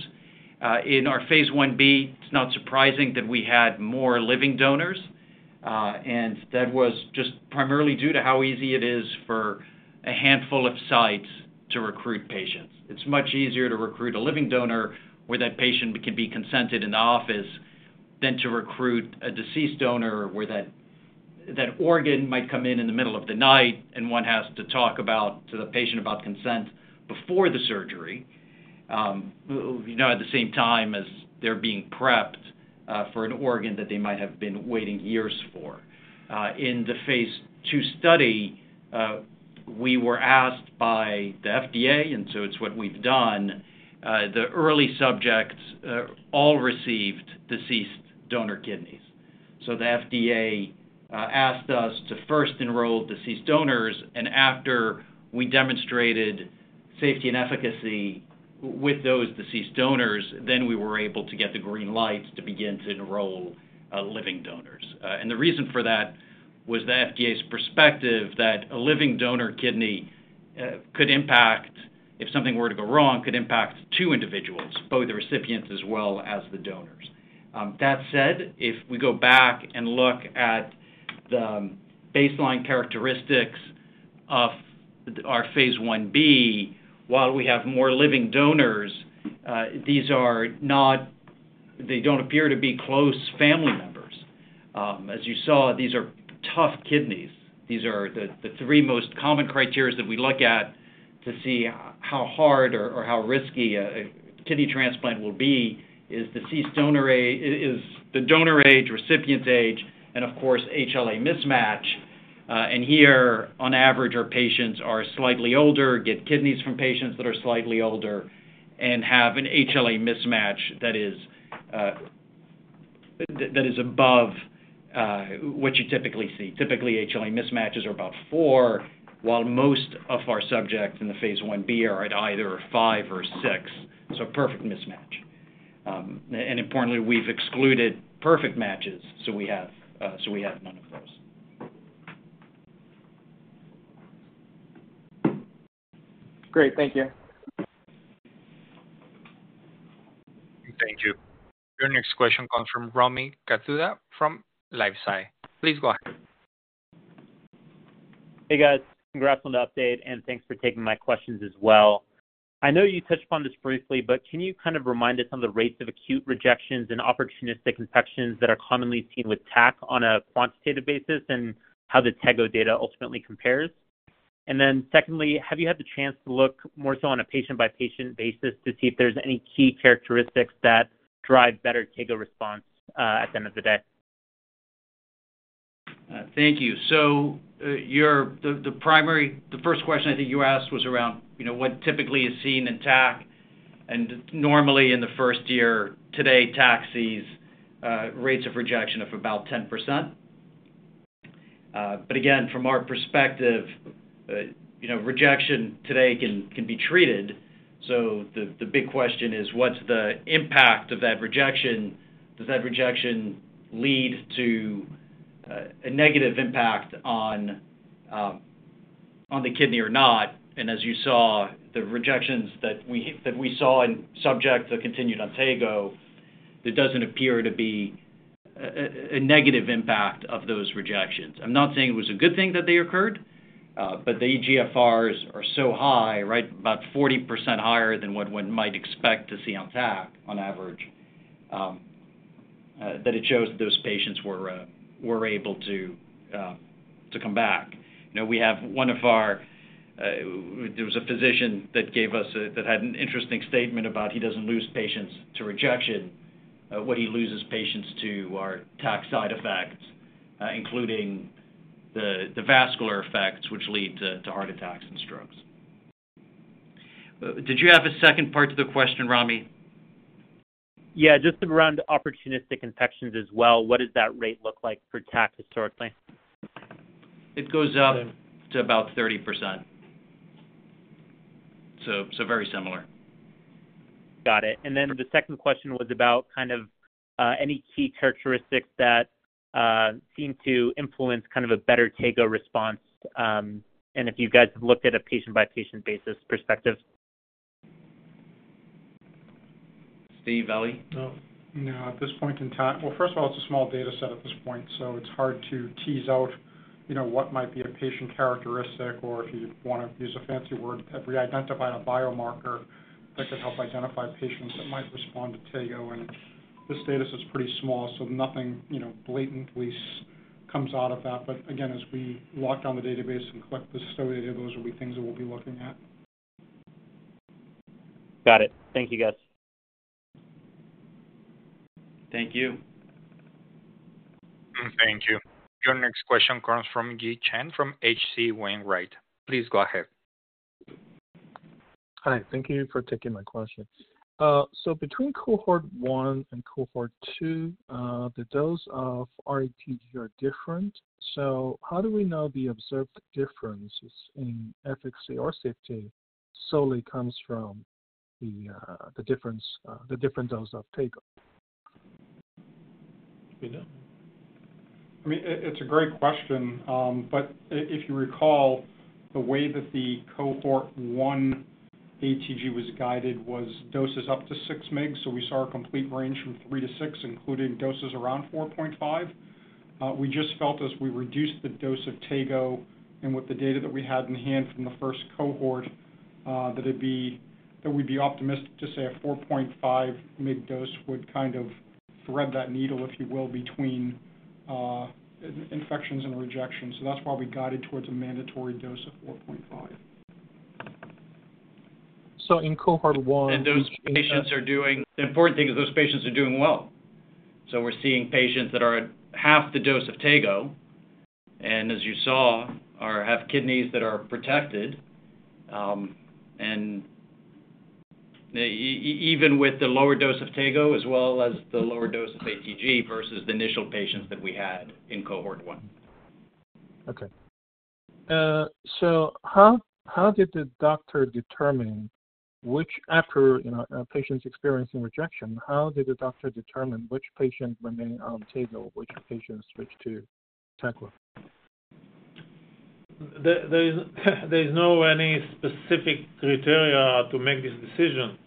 In our phase Ib, it's not surprising that we had more living donors. That was just primarily due to how easy it is for a handful of sites to recruit patients. It's much easier to recruit a living donor where that patient can be consented in the office than to recruit a deceased donor where that organ might come in in the middle of the night and one has to talk to the patient about consent before the surgery, at the same time as they're being prepped for an organ that they might have been waiting years for. In the phase II study, we were asked by the FDA, and so it's what we've done. The early subjects all received deceased donor kidneys. The FDA asked us to first enroll deceased donors, and after we demonstrated safety and efficacy with those deceased donors, we were able to get the green light to begin to enroll living donors. The reason for that was the FDA's perspective that a living donor kidney could impact, if something were to go wrong, two individuals, both the recipients as well as the donors. That said, if we go back and look at the baseline characteristics of our phase Ib, while we have more living donors, these are not, they don't appear to be close family members. As you saw, these are tough kidneys. These are the three most common criteria that we look at to see how hard or how risky a kidney transplant will be: deceased donor age, the donor age, recipient age, and of course, HLA mismatch. Here, on average, our patients are slightly older, get kidneys from patients that are slightly older, and have an HLA mismatch that is above what you typically see. Typically, HLA mismatches are about four, while most of our subjects in the phase Ib are at either five or six, so a perfect mismatch. Importantly, we've excluded perfect matches, so we have none of those. Great. Thank you. Thank you. Your next question comes from Rami Katkhuda from LifeSci. Please go ahead. Hey, guys. Congrats on the update and thanks for taking my questions as well. I know you touched upon this briefly, but can you kind of remind us on the rates of acute rejections and opportunistic infections that are commonly seen with tacrolimus on a quantitative basis and how the tegoprubart data ultimately compares? Secondly, have you had the chance to look more so on a patient-by-patient basis to see if there's any key characteristics that drive better tegoprubart response at the end of the day? Thank you. The first question I think you asked was around, you know, what typically is seen in tacrolimus. Normally, in the first year today, tacrolimus sees rates of rejection of about 10%. From our perspective, you know, rejection today can be treated. The big question is, what's the impact of that rejection? Does that rejection lead to a negative impact on the kidney or not? As you saw, the rejections that we saw in subjects that continued on tego, there doesn't appear to be a negative impact of those rejections. I'm not saying it was a good thing that they occurred, but the eGFRs are so high, right, about 40% higher than what one might expect to see on tacrolimus on average, that it shows that those patients were able to come back. We have one of our, there was a physician that gave us that had an interesting statement about he doesn't lose patients to rejection. What he loses is patients to our tacrolimus side effects, including the vascular effects, which lead to heart attacks and strokes. Did you have a second part to the question, Rami? Yeah. Just around opportunistic infections as well, what does that rate look like for tac historically? It goes up to about 30%. Very similar. Got it. The second question was about any key characteristics that seem to influence a better tegoprubart response, and if you guys have looked at a patient-by-patient basis perspective. Steve, Elie. No. At this point in time, first of all, it's a small data set at this point. It's hard to tease out what might be a patient characteristic or, if you want to use a fancy word, reidentify a biomarker that could help identify patients that might respond to tegoprubart. This data set is pretty small, so nothing blatantly comes out of that. As we lock down the database and collect the study data, those will be things that we'll be looking at. Got it. Thank you, guys. Thank you. Thank you. Your next question comes from Yi Chen from H.C. Wainwright. Please go ahead. Hi. Thank you for taking my question. Between cohort one and cohort two, the dose of ATG is different. How do we know the observed differences in efficacy or safety solely come from the different dose of tego? It's a great question. If you recall, the way that the cohort one ATG was guided was doses up to 6 mg. We saw a complete range from 3 mg-6mg, including doses around 4.5 mg. We just felt as we reduced the dose of tego and with the data that we had in hand from the first cohort, that we'd be optimistic to say a 4.5 mg dose would kind of thread that needle, if you will, between infections and rejection. That's why we guided towards a mandatory dose of 4.5 mg. In cohort one. Those patients are doing well. We're seeing patients that are at half the dose of tegoprubart and, as you saw, have kidneys that are protected. Even with the lower dose of tego as well as the lower dose of ATG versus the initial patients that we had in cohort one. Okay. How did the doctor determine which, after a patient's experiencing rejection, how did the doctor determine which patient remained on tegoprubart, which patient switched to tacrolimus? There is no specific criteria to make this decision.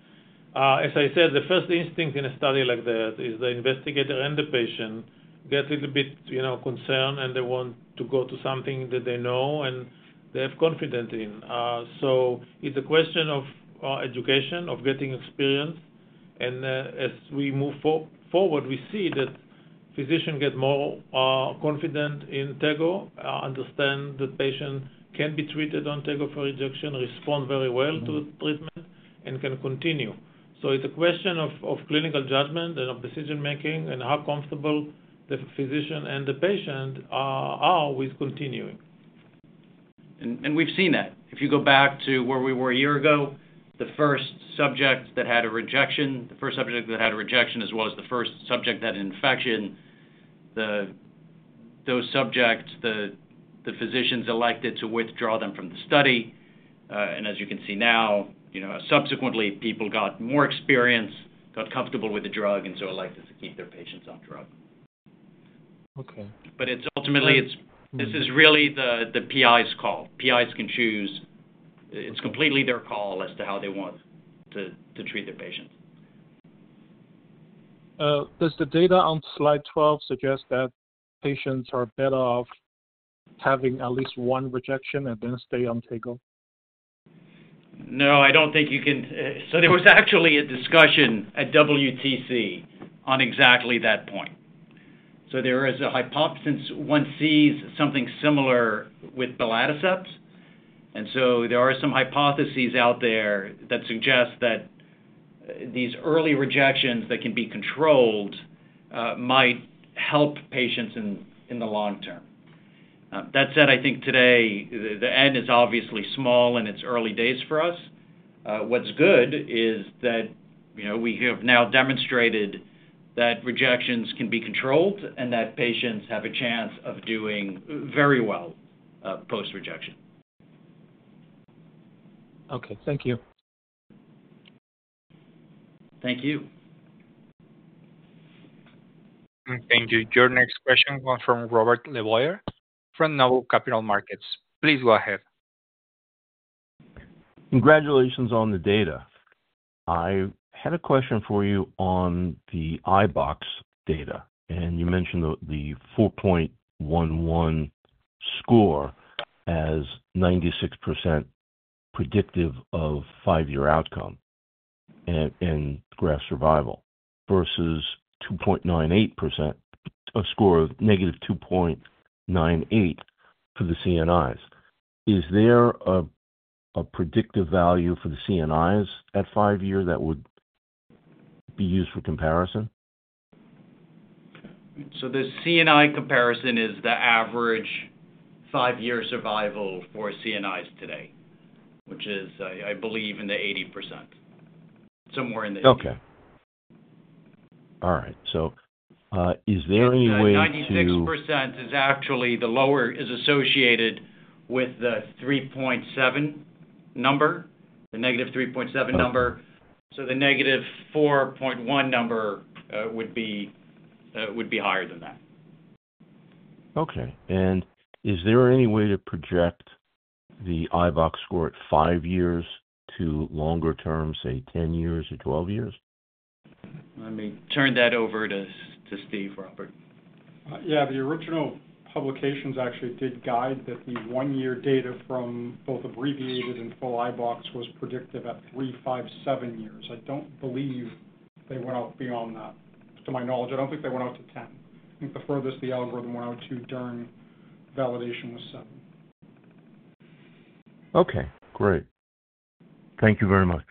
As I said, the first instinct in a study like that is the investigator and the patient get a little bit, you know, concerned, and they want to go to something that they know and they have confidence in. It's a question of education, of getting experience. As we move forward, we see that physicians get more confident in tegoprubart, understand the patient can be treated on tegoprubart for rejection, respond very well to the treatment, and can continue. It's a question of clinical judgment and of decision-making and how comfortable the physician and the patient are with continuing. We've seen that. If you go back to where we were a year ago, the first subject that had a rejection, as well as the first subject that had an infection, those subjects, the physicians elected to withdraw them from the study. As you can see now, subsequently, people got more experience, got comfortable with the drug, and so elected to keep their patients off drug. Okay. Ultimately, this is really the PI's call. PIs can choose. It's completely their call as to how they want to treat their patients. Does the data on slide 12 suggest that patients are better off having at least one rejection and then stay on tegoprubart? No, I don't think you can. There was actually a discussion at the WTC on exactly that point. There is a hypothesis one sees something similar with belatacept, and there are some hypotheses out there that suggest that these early rejections that can be controlled might help patients in the long term. That saud, I think today the end is obviously small and it's early days for us. What's good is that, you know, we have now demonstrated that rejections can be controlled and that patients have a chance of doing very well post-rejection. Okay, thank you. Thank you. Thank you. Your next question comes from Robert LeBoyer from Noble Capital Markets. Please go ahead. Congratulations on the data. I had a question for you on the abbreviated iBOX score, and you mentioned the 4.11 score as 96% predictive of five-year outcome and graft survival versus 2.98%, a score of -2.98 for the CNIs. Is there a predictive value for the CNIs at five years that would be used for comparison? The CNI comparison is the average five-year survival for CNIs today, which is, I believe, in the 80%, somewhere in there. All right. Is there any way? That 96% is actually the lower, is associated with the 3.7 number, the -3.7 number. The -4.1 number would be higher than that. Okay. Is there any way to project the abbreviated iBOX score at five years to longer terms, say 10 years or 12 years? Let me turn that over to Steven, Robert. Yeah, the original publications actually did guide that the one-year data from both abbreviated and full iBOX was predictive at three, five, seven years. I don't believe they went out beyond that. To my knowledge, I don't think they went out to 10. I think the furthest the algorithm went out to during validation was seven. Okay, great. Thank you very much.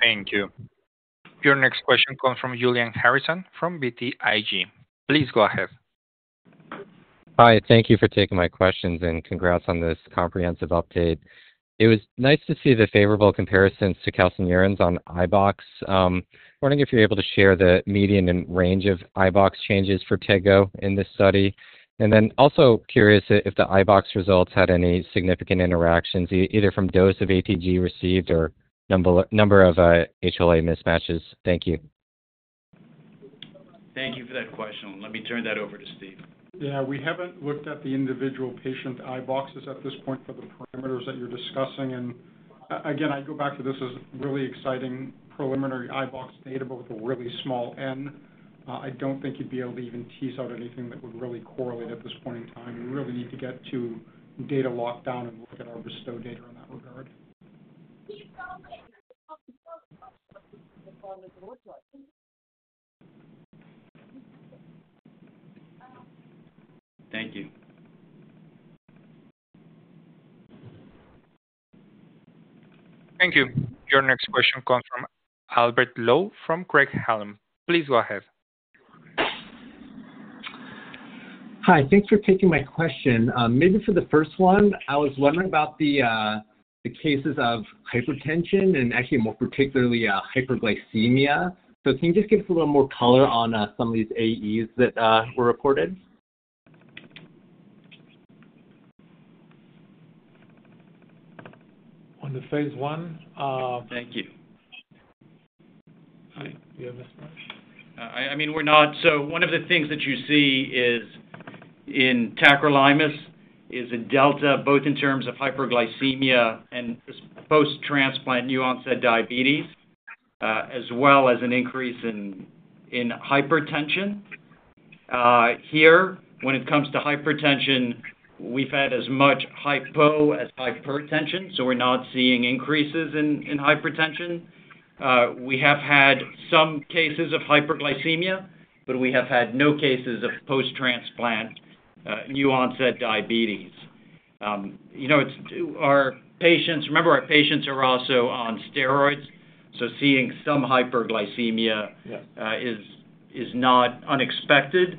Thank you. Your next question comes from Julian Harrison from BTIG. Please go ahead. Hi, thank you for taking my questions and congrats on this comprehensive update. It was nice to see the favorable comparisons to calcineurin inhibitors on the abbreviated iBOX score. I'm wondering if you're able to share the median and range of iBOX changes for tegoprubart in this study. I'm also curious if the iBOX results had any significant interactions, either from dose of anti-thymocyte globulin received or number of HLA mismatches. Thank you. Thank you for that question. Let me turn that over to Steve. Yeah, we haven't looked at the individual patient iBOX scores at this point for the parameters that you're discussing. I go back to this as really exciting preliminary iBOX data, but with a really small N. I don't think you'd be able to even tease out anything that would really correlate at this point in time. We really need to get to data lockdown and look at our BESTOW data in that regard. Thank you. Thank you. Your next question comes from Albert Lowe from Craig-Hallum, please go ahead. Hi, thanks for taking my question. Maybe for the first one, I was wondering about the cases of hypertension and actually more particularly hyperglycemia. Can you just give us a little more color on some of these AEs that were recorded? On the phase I? Thank you. I mean, we're not. One of the things that you see in tacrolimus is a delta both in terms of hyperglycemia and post-transplant new-onset diabetes, as well as an increase in hypertension. Here, when it comes to hypertension, we've had as much hypo as hypertension. We're not seeing increases in hypertension. We have had some cases of hyperglycemia, but we have had no cases of post-transplant new-onset diabetes. Our patients, remember, our patients are also on steroids. Seeing some hyperglycemia is not unexpected.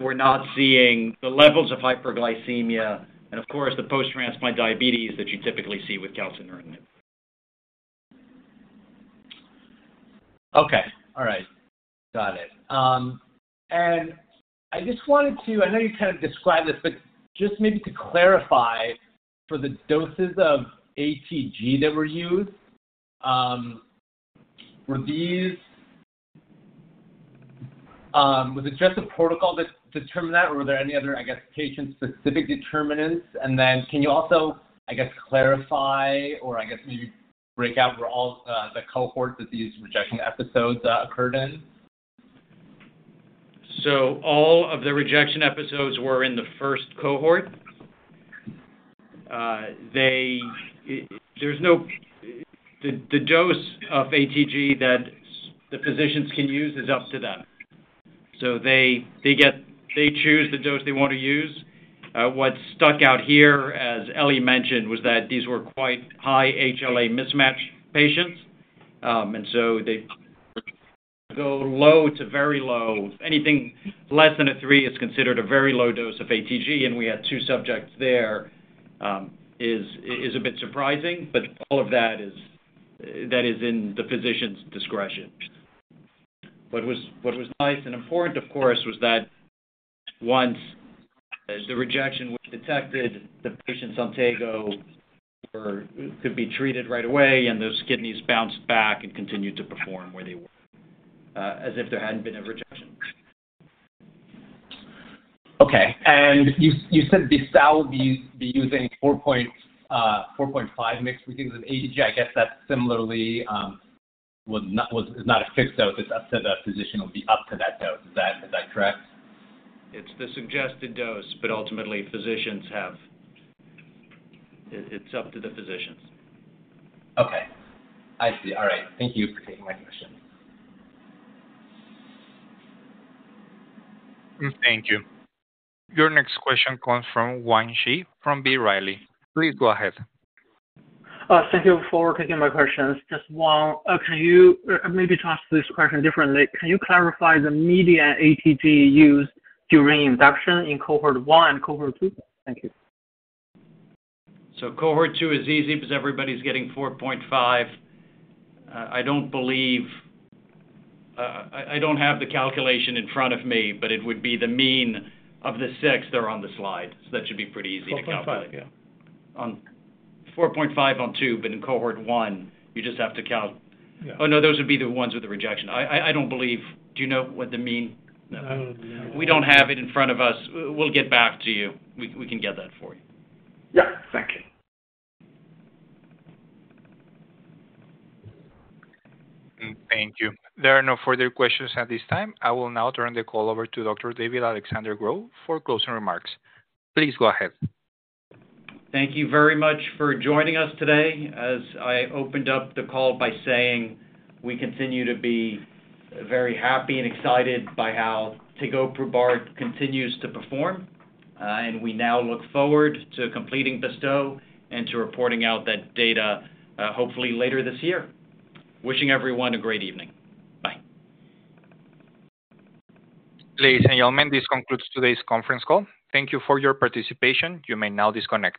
We're not seeing the levels of hyperglycemia and, of course, the post-transplant diabetes that you typically see with calcineurin inhibitors. Okay. All right. Got it. I just wanted to, I know you kind of described this, but just maybe to clarify, for the doses of ATG that were used, were these, was it just a protocol that determined that, or were there any other, I guess, patient-specific determinants? Can you also, I guess, clarify or maybe break out where all the cohorts that these rejection episodes occurred in? All of the rejection episodes were in the first cohort. The dose of ATG that the physicians can use is up to them. They choose the dose they want to use. What stuck out here, as Eliezer mentioned, was that these were quite high HLA mismatch patients. They go low to very low. Anything less than a three is considered a very low dose of ATG, and we had two subjects there. It is a bit surprising, but all of that is in the physician's discretion. What was nice and important, of course, was that once the rejection was detected, the patients on tegoprubart could be treated right away, and those kidneys bounced back and continued to perform where they were as if there hadn't been a rejection. Okay. You said BESTOW would be using 4.5 mg/kg of anti-thymocyte globulin. I guess that's similarly, it's not a fixed dose. It's up to the physician, it would be up to that dose. Is that correct? It's the suggested dose, but ultimately, physicians have. It's up to the physicians. Okay. I see. All right. Thank you for taking my question. Thank you. Your next question comes Yuan Zhifrom B. Riley. Please go ahead. Thank you for taking my questions. Just one, can you maybe phrase this question differently? Can you clarify the median ATG used during induction in cohort one and cohort two? Thank you. Cohort two is easy because everybody's getting 4.5 mg. I don't believe, I don't have the calculation in front of me, but it would be the mean of the six that are on the slide. That should be pretty easy to calculate. 4.5 mg, yeah. 4.5 mg on two, but in cohort one, you just have to count. Oh, no, those would be the ones with the rejection. I don't believe. Do you know what the mean? No. We don't have it in front of us. We'll get back to you. We can get that for you. Thank you. Thank you. There are no further questions at this time. I will now turn the call over to Dr. David-Alexandre Gros for closing remarks. Please go ahead. Thank you very much for joining us today. As I opened up the call by saying, we continue to be very happy and excited by how tegoprubart continues to perform. We now look forward to completing BESTOW and to reporting out that data, hopefully, later this year. Wishing everyone a great evening. Bye. Ladies and gentlemen, this concludes today's conference call. Thank you for your participation. You may now disconnect.